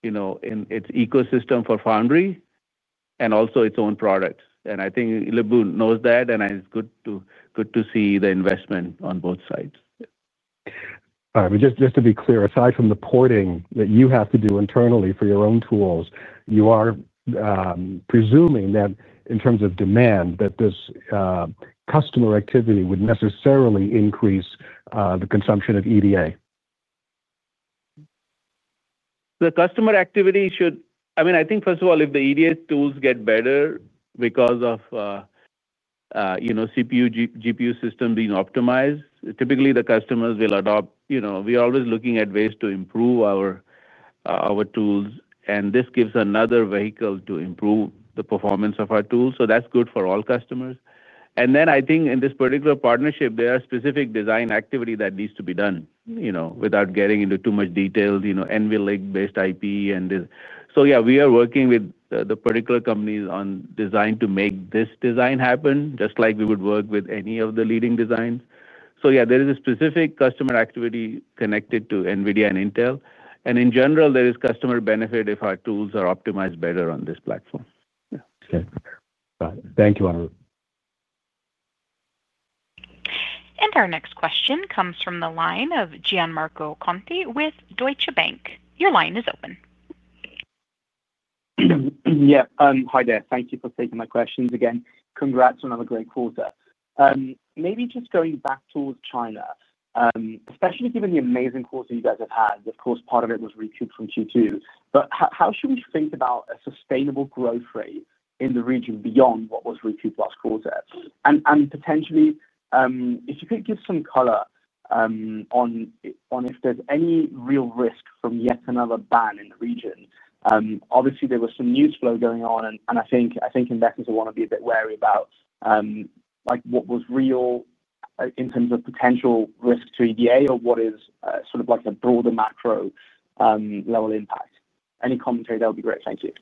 in its ecosystem for foundry and also its own products. I think Lip-Bu knows that, and it's good to see the investment on both sides. All right. I mean, just to be clear, aside from the porting that you have to do internally for your own tools, you are presuming that in terms of demand, this customer activity would necessarily increase the consumption of EDA. The customer activity should, I mean, I think first of all, if the EDA tools get better because of, you know, CPU-GPU systems being optimized, typically the customers will adopt, you know, we are always looking at ways to improve our tools. This gives another vehicle to improve the performance of our tools. That's good for all customers. In this particular partnership, there are specific design activities that need to be done, you know, without getting into too much detail, you know, NVLink-based IP. We are working with the particular companies on design to make this design happen, just like we would work with any of the leading designs. There is a specific customer activity connected to NVIDIA and Intel. In general, there is customer benefit if our tools are optimized better on this platform. Okay. Got it. Thank you, Anirudh. Our next question comes from the line of Gianmarco Conti with Deutsche Bank. Your line is open. Hi there. Thank you for taking my questions again. Congrats on another great quarter. Maybe just going back towards China, especially given the amazing quarter you guys have had. Of course, part of it was recouped from Q2. How should we think about a sustainable growth rate in the region beyond what was recouped last quarter? Potentially, if you could give some color on if there's any real risk from yet another ban in the region. Obviously, there was some news flow going on. I think investors will want to be a bit wary about what was real in terms of potential risk to EDA or what is sort of like a broader macro level impact. Any commentary? That would be great. Thank you.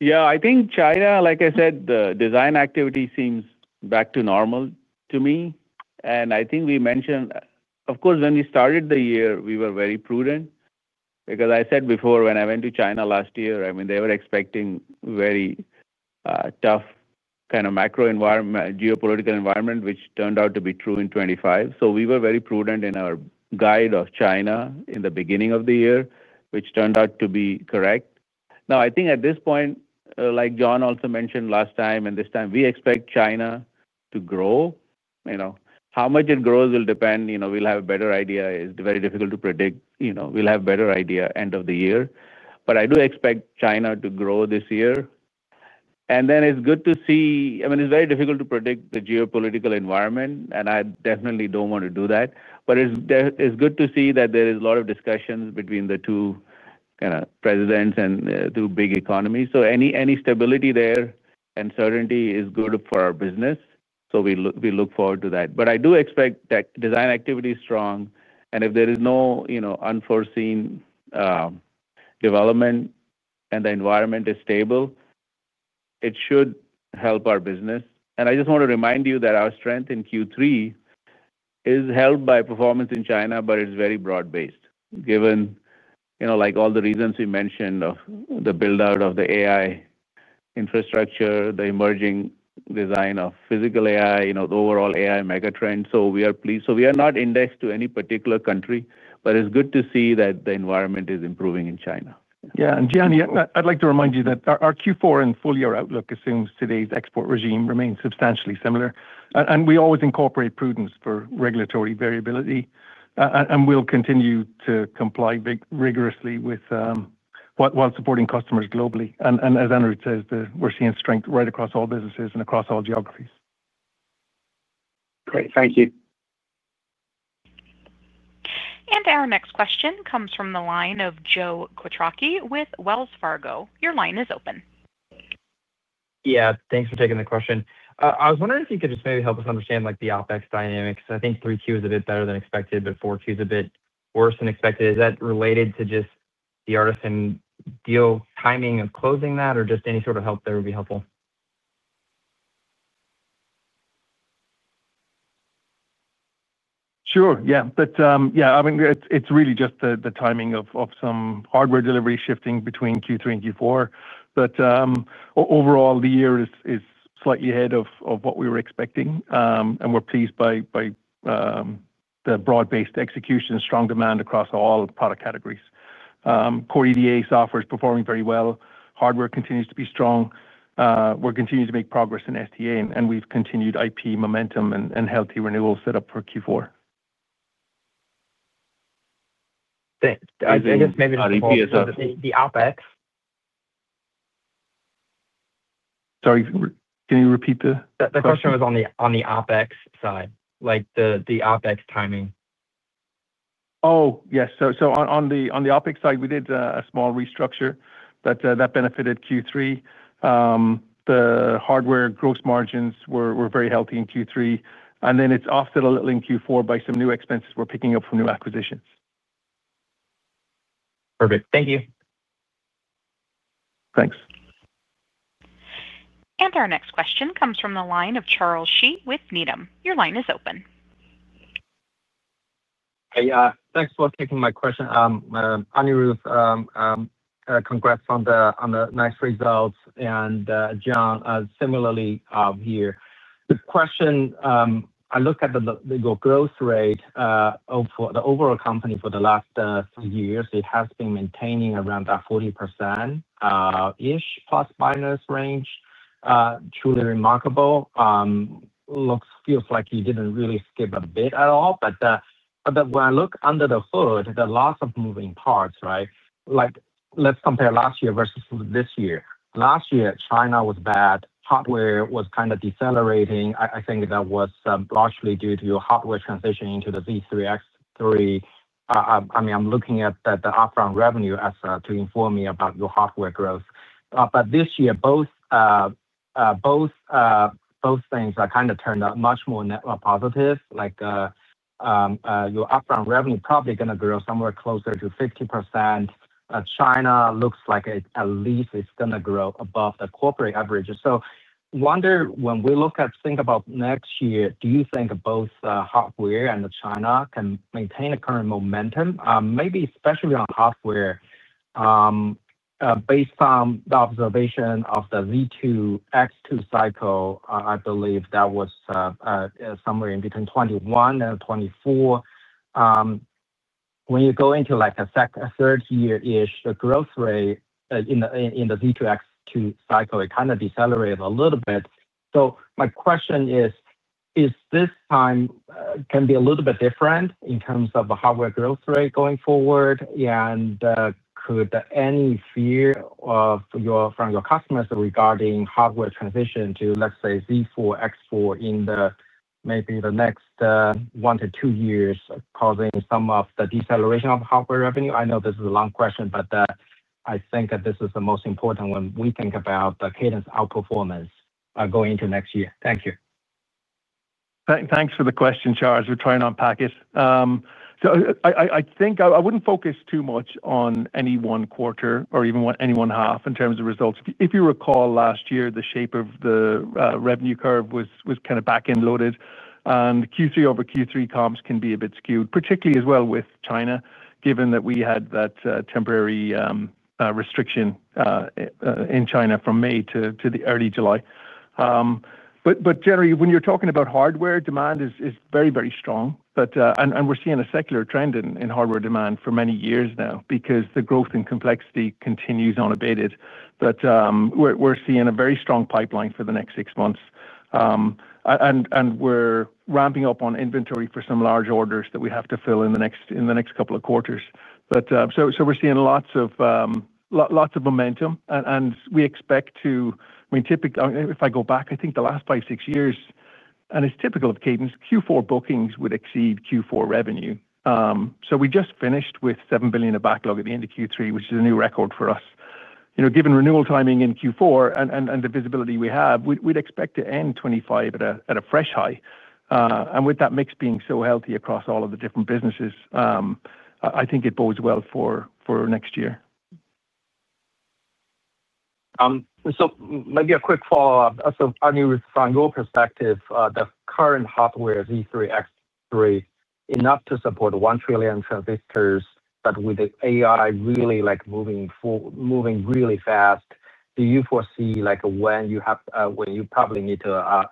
Yeah, I think China, like I said, the design activity seems back to normal to me. I think we mentioned, of course, when we started the year, we were very prudent because I said before, when I went to China last year, they were expecting a very tough kind of macro environment, geopolitical environment, which turned out to be true in 2023. We were very prudent in our guide of China in the beginning of the year, which turned out to be correct. Now, I think at this point, like John also mentioned last time and this time, we expect China to grow. How much it grows will depend. We'll have a better idea. It's very difficult to predict. We'll have a better idea at the end of the year. I do expect China to grow this year. It's good to see, it's very difficult to predict the geopolitical environment, and I definitely don't want to do that. It's good to see that there are a lot of discussions between the two presidents and two big economies. Any stability there and certainty is good for our business. We look forward to that. I do expect that design activity is strong. If there is no unforeseen development and the environment is stable, it should help our business. I just want to remind you that our strength in Q3 is helped by performance in China, but it's very broad-based, given all the reasons we mentioned of the build-out of the AI infrastructure, the emerging design of physical AI, the overall AI megatrend. We are pleased. We are not indexed to any particular country, but it's good to see that the environment is improving in China. Yeah. Gian, I'd like to remind you that our Q4 and full-year outlook assumes today's export regime remains substantially similar. We always incorporate prudence for regulatory variability, and we'll continue to comply rigorously with, while supporting customers globally. As Anirudh says, we're seeing strength right across all businesses and across all geographies. Great. Thank you. Our next question comes from the line of Joe Quatrochi with Wells Fargo. Your line is open. Yeah, thanks for taking the question. I was wondering if you could just maybe help us understand like the OpEx dynamics. I think 3Q is a bit better than expected, but 4Q is a bit worse than expected. Is that related to just the Artisan deal timing of closing that or just any sort of help there would be helpful? Sure. Yeah. I mean, it's really just the timing of some hardware delivery shifting between Q3 and Q4. Overall, the year is slightly ahead of what we were expecting, and we're pleased by the broad-based execution and strong demand across all product categories. Core EDA software is performing very well. Hardware continues to be strong. We're continuing to make progress in SDA, and we've continued IP momentum and healthy renewals set up for Q4. I guess maybe the OpEx. Sorry, can you repeat that? The question was on the OpEx side, like the OpEx timing. Yes. On the OpEx side, we did a small restructure that benefited Q3. The hardware gross margins were very healthy in Q3. It's offset a little in Q4 by some new expenses we're picking up from new acquisitions. Perfect. Thank you. Thanks. Our next question comes from the line of Charles Shi with Needham. Your line is open. Thanks for taking my question. Anirudh, congrats on the nice results. And John, similarly here. The question, I looked at the gross rate for the overall company for the last three years. It has been maintaining around that 40%-ish plus minus range. Truly remarkable. Looks, feels like you didn't really skip a beat at all. When I look under the hood, there are lots of moving parts, right? Like let's compare last year versus this year. Last year, China was bad. Hardware was kind of decelerating. I think that was largely due to your hardware transition into the Z3-X3. I'm looking at the upfront revenue as to inform me about your hardware growth. This year, both things turned out much more net positive. Your upfront revenue is probably going to grow somewhere closer to 50%. China looks like at least it's going to grow above the corporate average. I wonder, when we think about next year, do you think both hardware and China can maintain the current momentum? Maybe especially on hardware. Based on the observation of the Z2-X2 cycle, I believe that was somewhere in between 2021 and 2024. When you go into like a third year-ish, the growth rate in the Z2-X2 cycle, it kind of decelerated a little bit. My question is, is this time going to be a little bit different in terms of the hardware growth rate going forward? Could any fear from your customers regarding hardware transition to, let's say, Z4-X4 in maybe the next one to two years cause some of the deceleration of hardware revenue? I know this is a long question, but I think that this is the most important when we think about the Cadence outperformance going into next year. Thank you. Thanks for the question, Charles. We're trying to unpack it. I think I wouldn't focus too much on any one quarter or even any one half in terms of results. If you recall last year, the shape of the revenue curve was kind of back-end loaded. Q3 over Q3 comps can be a bit skewed, particularly as well with China, given that we had that temporary restriction in China from May to early July. Generally, when you're talking about hardware, demand is very, very strong. We're seeing a secular trend in hardware demand for many years now because the growth in complexity continues unabated. We're seeing a very strong pipeline for the next six months and we're ramping up on inventory for some large orders that we have to fill in the next couple of quarters. We're seeing lots of momentum. We expect to, I mean, typically, if I go back, I think the last five, six years, and it's typical of Cadence, Q4 bookings would exceed Q4 revenue. We just finished with $7 billion of backlog at the end of Q3, which is a new record for us. Given renewal timing in Q4 and the visibility we have, we'd expect to end 2025 at a fresh high. With that mix being so healthy across all of the different businesses, I think it bodes well for next year. Maybe a quick follow-up. Anirudh, from your perspective, the current hardware Z3-X3 is not to support 1 trillion transistors, but with the AI really like moving really fast. Do you foresee when you probably need to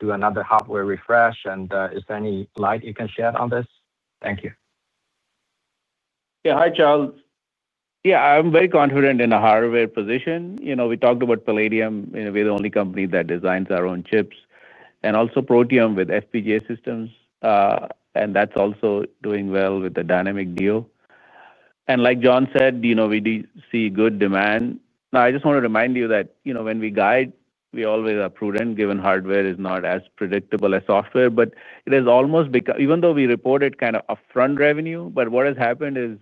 do another hardware refresh? Is there any light you can shed on this? Thank you. Yeah, hi, Charles. I'm very confident in the hardware position. We talked about Palladium. We're the only company that designs our own chips, and also Protium with FPGA systems. That's also doing well with the dynamic deal. Like John said, we do see good demand. I just want to remind you that when we guide, we always are prudent given hardware is not as predictable as software. It has almost become, even though we reported kind of upfront revenue, what has happened is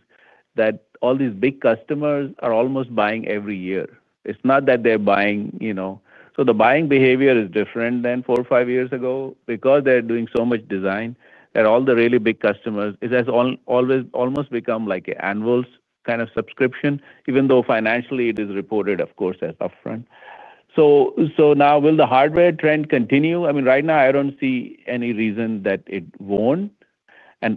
that all these big customers are almost buying every year. It's not that they're buying, you know. The buying behavior is different than four or five years ago because they're doing so much design. All the really big customers, it has almost become like an annual kind of subscription, even though financially it is reported, of course, as upfront. Now, will the hardware trend continue? Right now, I don't see any reason that it won't. I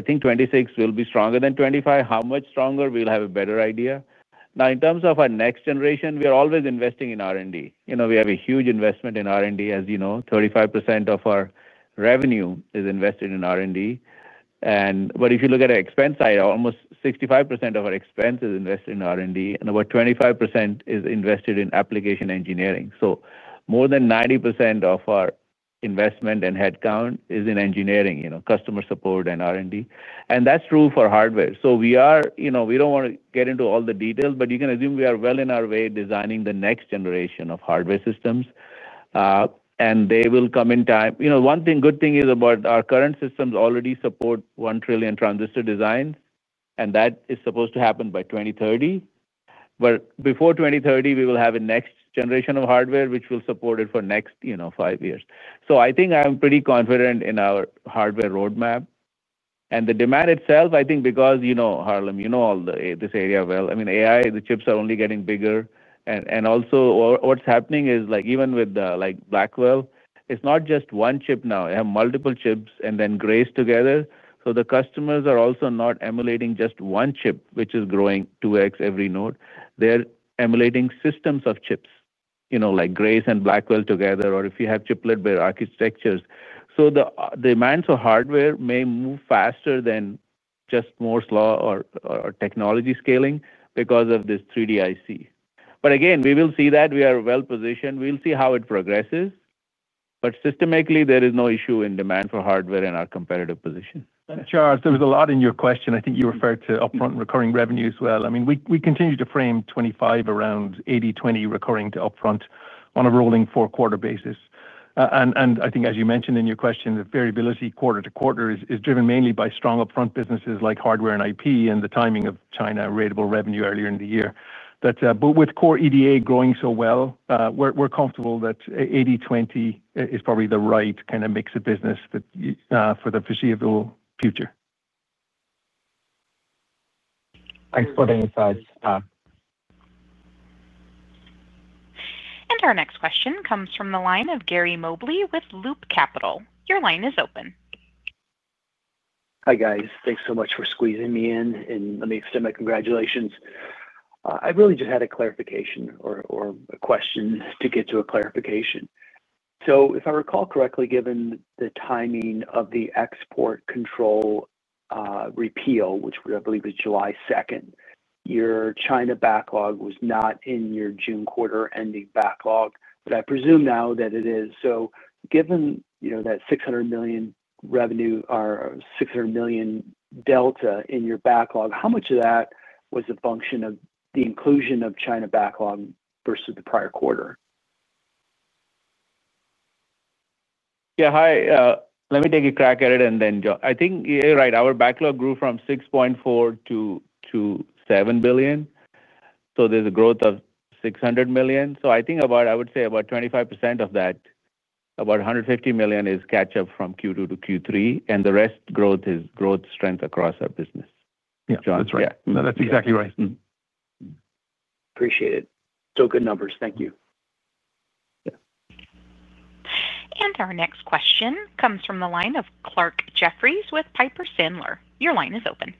think 2026 will be stronger than 2025. How much stronger, we'll have a better idea. In terms of our next generation, we are always investing in R&D. We have a huge investment in R&D. As you know, 35% of our revenue is invested in R&D. If you look at our expense side, almost 65% of our expense is invested in R&D, and about 25% is invested in application engineering. More than 90% of our investment and headcount is in engineering, customer support, and R&D. That's true for hardware. We don't want to get into all the details, but you can assume we are well on our way designing the next generation of hardware systems, and they will come in time. One good thing is our current systems already support 1 trillion transistor designs, and that is supposed to happen by 2030. Before 2030, we will have a next generation of hardware, which will support it for the next five years. I think I'm pretty confident in our hardware roadmap. The demand itself, I think, because, you know, Harlan, you know all this area well. AI, the chips are only getting bigger. Also, what's happening is even with the Blackwell, it's not just one chip now. They have multiple chips and then Grace together. The customers are also not emulating just one chip, which is growing 2x every node. They're emulating systems of chips, you know, like Grace and Blackwell together, or if you have chiplet-based architectures. The demands of hardware may move faster than just more SLA or technology scaling because of this 3D-IC. Again, we will see that we are well positioned. We'll see how it progresses. Systematically, there is no issue in demand for hardware in our competitive position. Charles, there was a lot in your question. I think you referred to upfront recurring revenue as well. We continue to frame 2025 around 80/20 recurring to upfront on a rolling four-quarter basis. I think, as you mentioned in your question, the variability quarter to quarter is driven mainly by strong upfront businesses like hardware and IP and the timing of China ratable revenue earlier in the year. With core EDA growing so well, we're comfortable that 80/20 is probably the right kind of mix of business for the foreseeable future. Thanks for the insights. Our next question comes from the line of Gary Mobley with Loop Capital. Your line is open. Hi, guys. Thanks so much for squeezing me in. Let me extend my congratulations. I really just had a clarification or a question to get to a clarification. If I recall correctly, given the timing of the export control repeal, which I believe is July 2nd, your China backlog was not in your June quarter ending backlog, but I presume now that it is. Given, you know, that $600 million revenue or $600 million delta in your backlog, how much of that was a function of the inclusion of China backlog versus the prior quarter? Yeah, hi. Let me take a crack at it and then John. I think you're right. Our backlog grew from $6.4 billion to $7 billion, so there's a growth of $600 million. I would say about 25% of that, about $150 million, is catch-up from Q2 to Q3. The rest is growth strength across our business. Yeah, John. That's right. Yeah, that's exactly right. Appreciate it. Still good numbers. Thank you. Our next question comes from the line of Clarke Jeffries with Piper Sandler. Your line is open.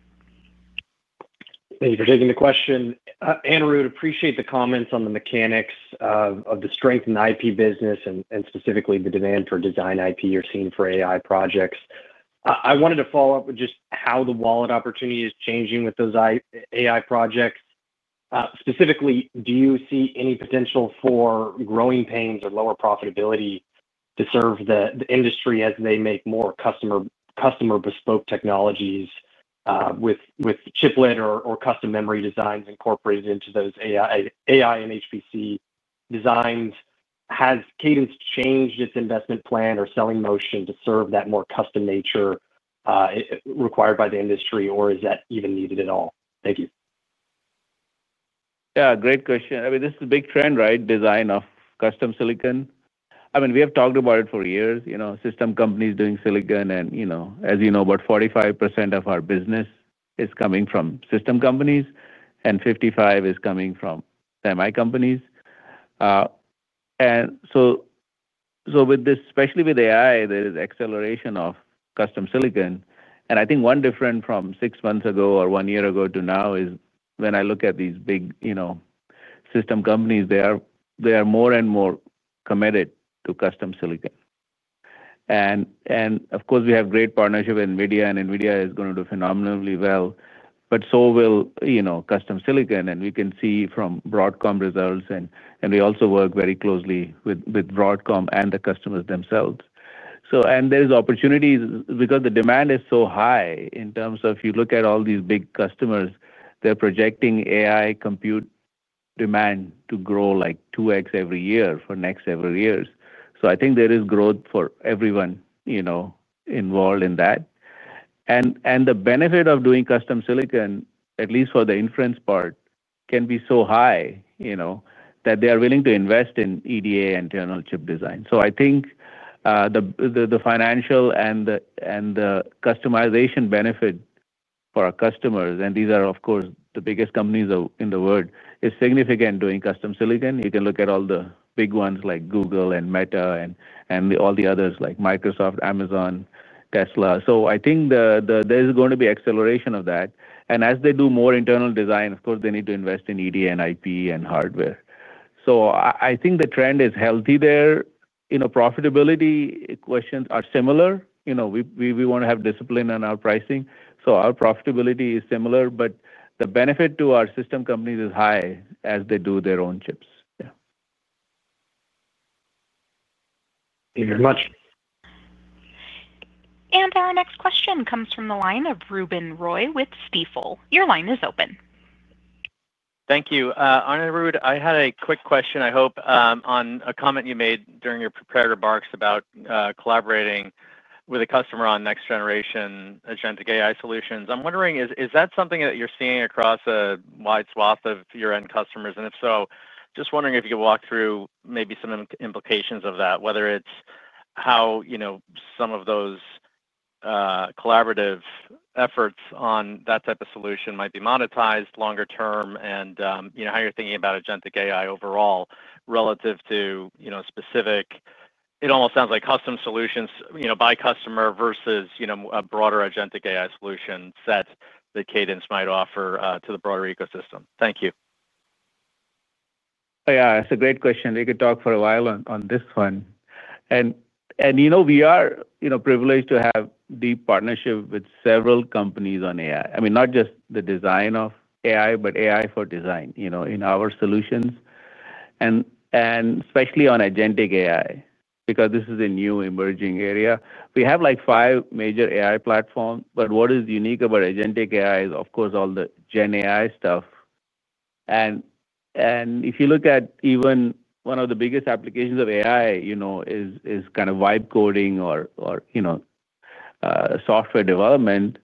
Thank you for taking the question. Anirudh, I appreciate the comments on the mechanics of the strength in the IP business and specifically the demand for design IP you're seeing for AI projects. I wanted to follow up with just how the wallet opportunity is changing with those AI projects. Specifically, do you see any potential for growing pains or lower profitability to serve the industry as they make more customer bespoke technologies? With chiplet or custom memory designs incorporated into those AI and HPC designs, has Cadence changed its investment plan or selling motion to serve that more custom nature required by the industry, or is that even needed at all? Thank you. Yeah, great question. I mean, this is a big trend, right? Design of custom silicon. I mean, we have talked about it for years, you know, system companies doing silicon. As you know, about 45% of our business is coming from system companies and 55% is coming from semicompanies. With this, especially with AI, there is acceleration of custom silicon. I think one difference from six months ago or one year ago to now is when I look at these big, you know, system companies, they are more and more committed to custom silicon. Of course, we have great partnership with NVIDIA, and NVIDIA is going to do phenomenally well. Custom silicon will also do well. We can see from Broadcom results, and we also work very closely with Broadcom and the customers themselves. There are opportunities because the demand is so high in terms of if you look at all these big customers, they're projecting AI compute demand to grow like 2x every year for next several years. I think there is growth for everyone involved in that. The benefit of doing custom silicon, at least for the inference part, can be so high that they are willing to invest in EDA and internal chip design. I think the financial and the customization benefit for our customers, and these are, of course, the biggest companies in the world, is significant doing custom silicon. You can look at all the big ones like Google and Meta and all the others like Microsoft, Amazon, Tesla. I think there's going to be acceleration of that. As they do more internal design, of course, they need to invest in EDA and IP and hardware. I think the trend is healthy there. Profitability questions are similar. We want to have discipline in our pricing. Our profitability is similar, but the benefit to our system companies is high as they do their own chips. Yeah. Thank you very much. Our next question comes from the line of Ruben Roy with Stifel. Your line is open. Thank you. Anirudh, I had a quick question, I hope, on a comment you made during your prepared remarks about collaborating with a customer on next-generation agentic AI solutions. I'm wondering, is that something that you're seeing across a wide swath of your end customers? If so, just wondering if you could walk through maybe some implications of that, whether it's how some of those collaborative efforts on that type of solution might be monetized longer term and how you're thinking about agentic AI overall relative to, you know, specific, it almost sounds like custom solutions by customer versus a broader agentic AI solution set that Cadence might offer to the broader ecosystem. Thank you. Yeah, that's a great question. We could talk for a while on this one. You know, we are privileged to have a deep partnership with several companies on AI. I mean, not just the design of AI, but AI for design in our solutions, and especially on agentic AI because this is a new emerging area. We have like five major AI platforms, but what is unique about agentic AI is, of course, all the GenAI stuff. If you look at even one of the biggest applications of AI, it is kind of wipe coding or software development.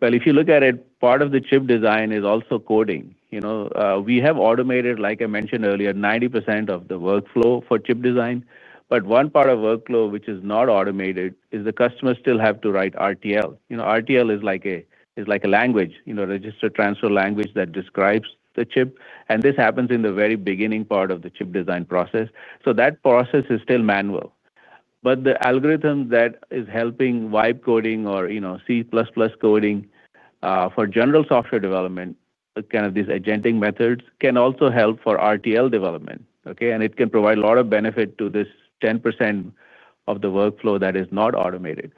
If you look at it, part of the chip design is also coding. You know, we have automated, like I mentioned earlier, 90% of the workflow for chip design. One part of workflow which is not automated is the customers still have to write RTL. RTL is like a language, register transfer language that describes the chip. And this happens in the very beginning part of the chip design process. That process is still manual. The algorithm that is helping, like coding or, you know, C++ coding for general software development, kind of these agentic methods, can also help for RTL development. It can provide a lot of benefit to this 10% of the workflow that is not automated.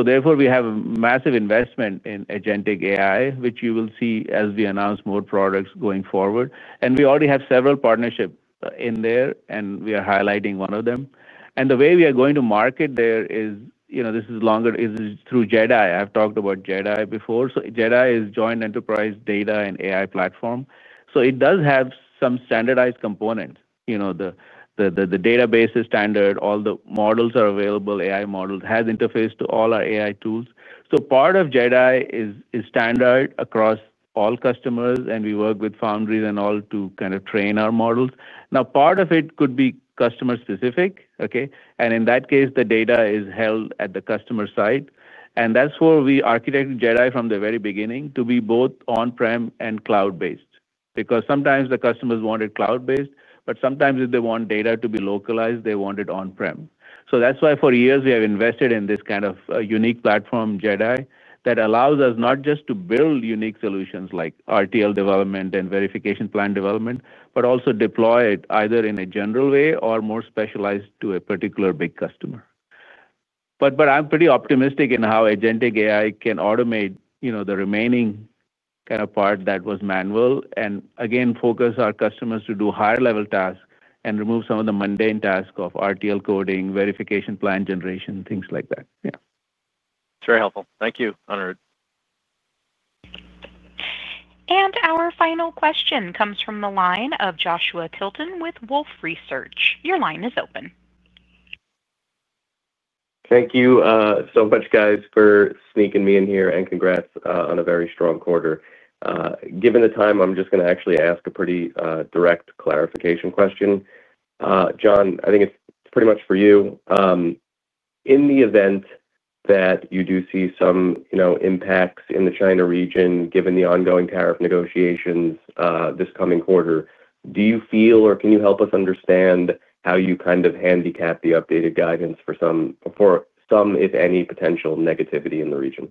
Therefore, we have a massive investment in agentic AI, which you will see as we announce more products going forward. We already have several partnerships in there, and we are highlighting one of them. The way we are going to market there is, you know, this is longer, is through JedAI. I've talked about JedAI before. JedAI is Joint Enterprise Data and AI platform. It does have some standardized components. The database is standard, all the models are available, AI models have interface to all our AI tools. Part of JedAI is standard across all customers, and we work with foundries and all to kind of train our models. Part of it could be customer specific. In that case, the data is held at the customer site. That's where we architect JedAI from the very beginning to be both on-prem and cloud-based. Sometimes the customers want it cloud-based, but sometimes if they want data to be localized, they want it on-prem. That's why for years we have invested in this kind of unique platform, JedAI, that allows us not just to build unique solutions like RTL development and verification plan development, but also deploy it either in a general way or more specialized to a particular big customer. I'm pretty optimistic in how agentic AI can automate, you know, the remaining kind of part that was manual. Again, focus our customers to do higher level tasks and remove some of the mundane tasks of RTL coding, verification plan generation, things like that. Yeah. It's very helpful. Thank you, Anirudh. Our final question comes from the line of Joshua Tilton with Wolfe Research. Your line is open. Thank you so much, guys, for sneaking me in here, and congrats on a very strong quarter. Given the time, I'm just going to actually ask a pretty direct clarification question. John, I think it's pretty much for you. In the event that you do see some impacts in the China region, given the ongoing tariff negotiations this coming quarter, do you feel or can you help us understand how you kind of handicap the updated guidance for some, if any, potential negativity in the region?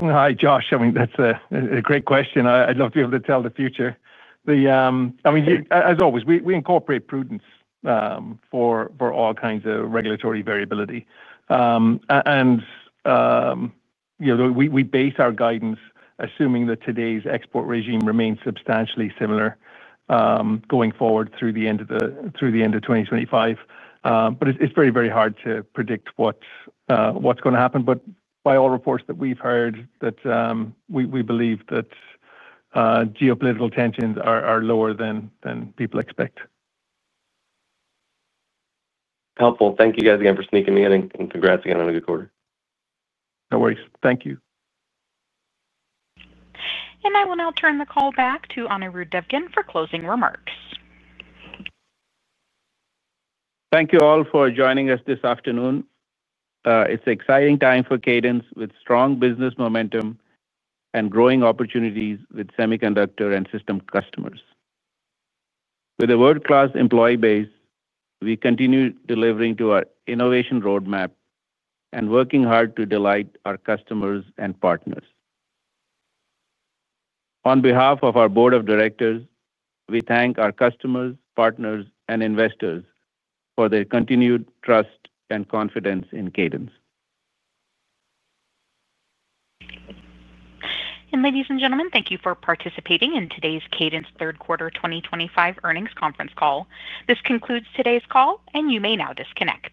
Hi, Josh. That's a great question. I'd love to be able to tell the future. As always, we incorporate prudence for all kinds of regulatory variability. We base our guidance assuming that today's export regime remains substantially similar going forward through the end of 2025. It's very, very hard to predict what's going to happen. By all reports that we've heard, we believe that geopolitical tensions are lower than people expect. Helpful. Thank you guys again for sneaking me in, and congrats again on a good quarter. No worries. Thank you. I will now turn the call back to Anirudh Devgan for closing remarks. Thank you all for joining us this afternoon. It's an exciting time for Cadence with strong business momentum and growing opportunities with semiconductor and system customers. With a world-class employee base, we continue delivering to our innovation roadmap and working hard to delight our customers and partners. On behalf of our Board of Directors, we thank our customers, partners, and investors for their continued trust and confidence in Cadence. Ladies and gentlemen, thank you for participating in today's Cadence third quarter 2025 earnings conference call. This concludes today's call, and you may now disconnect.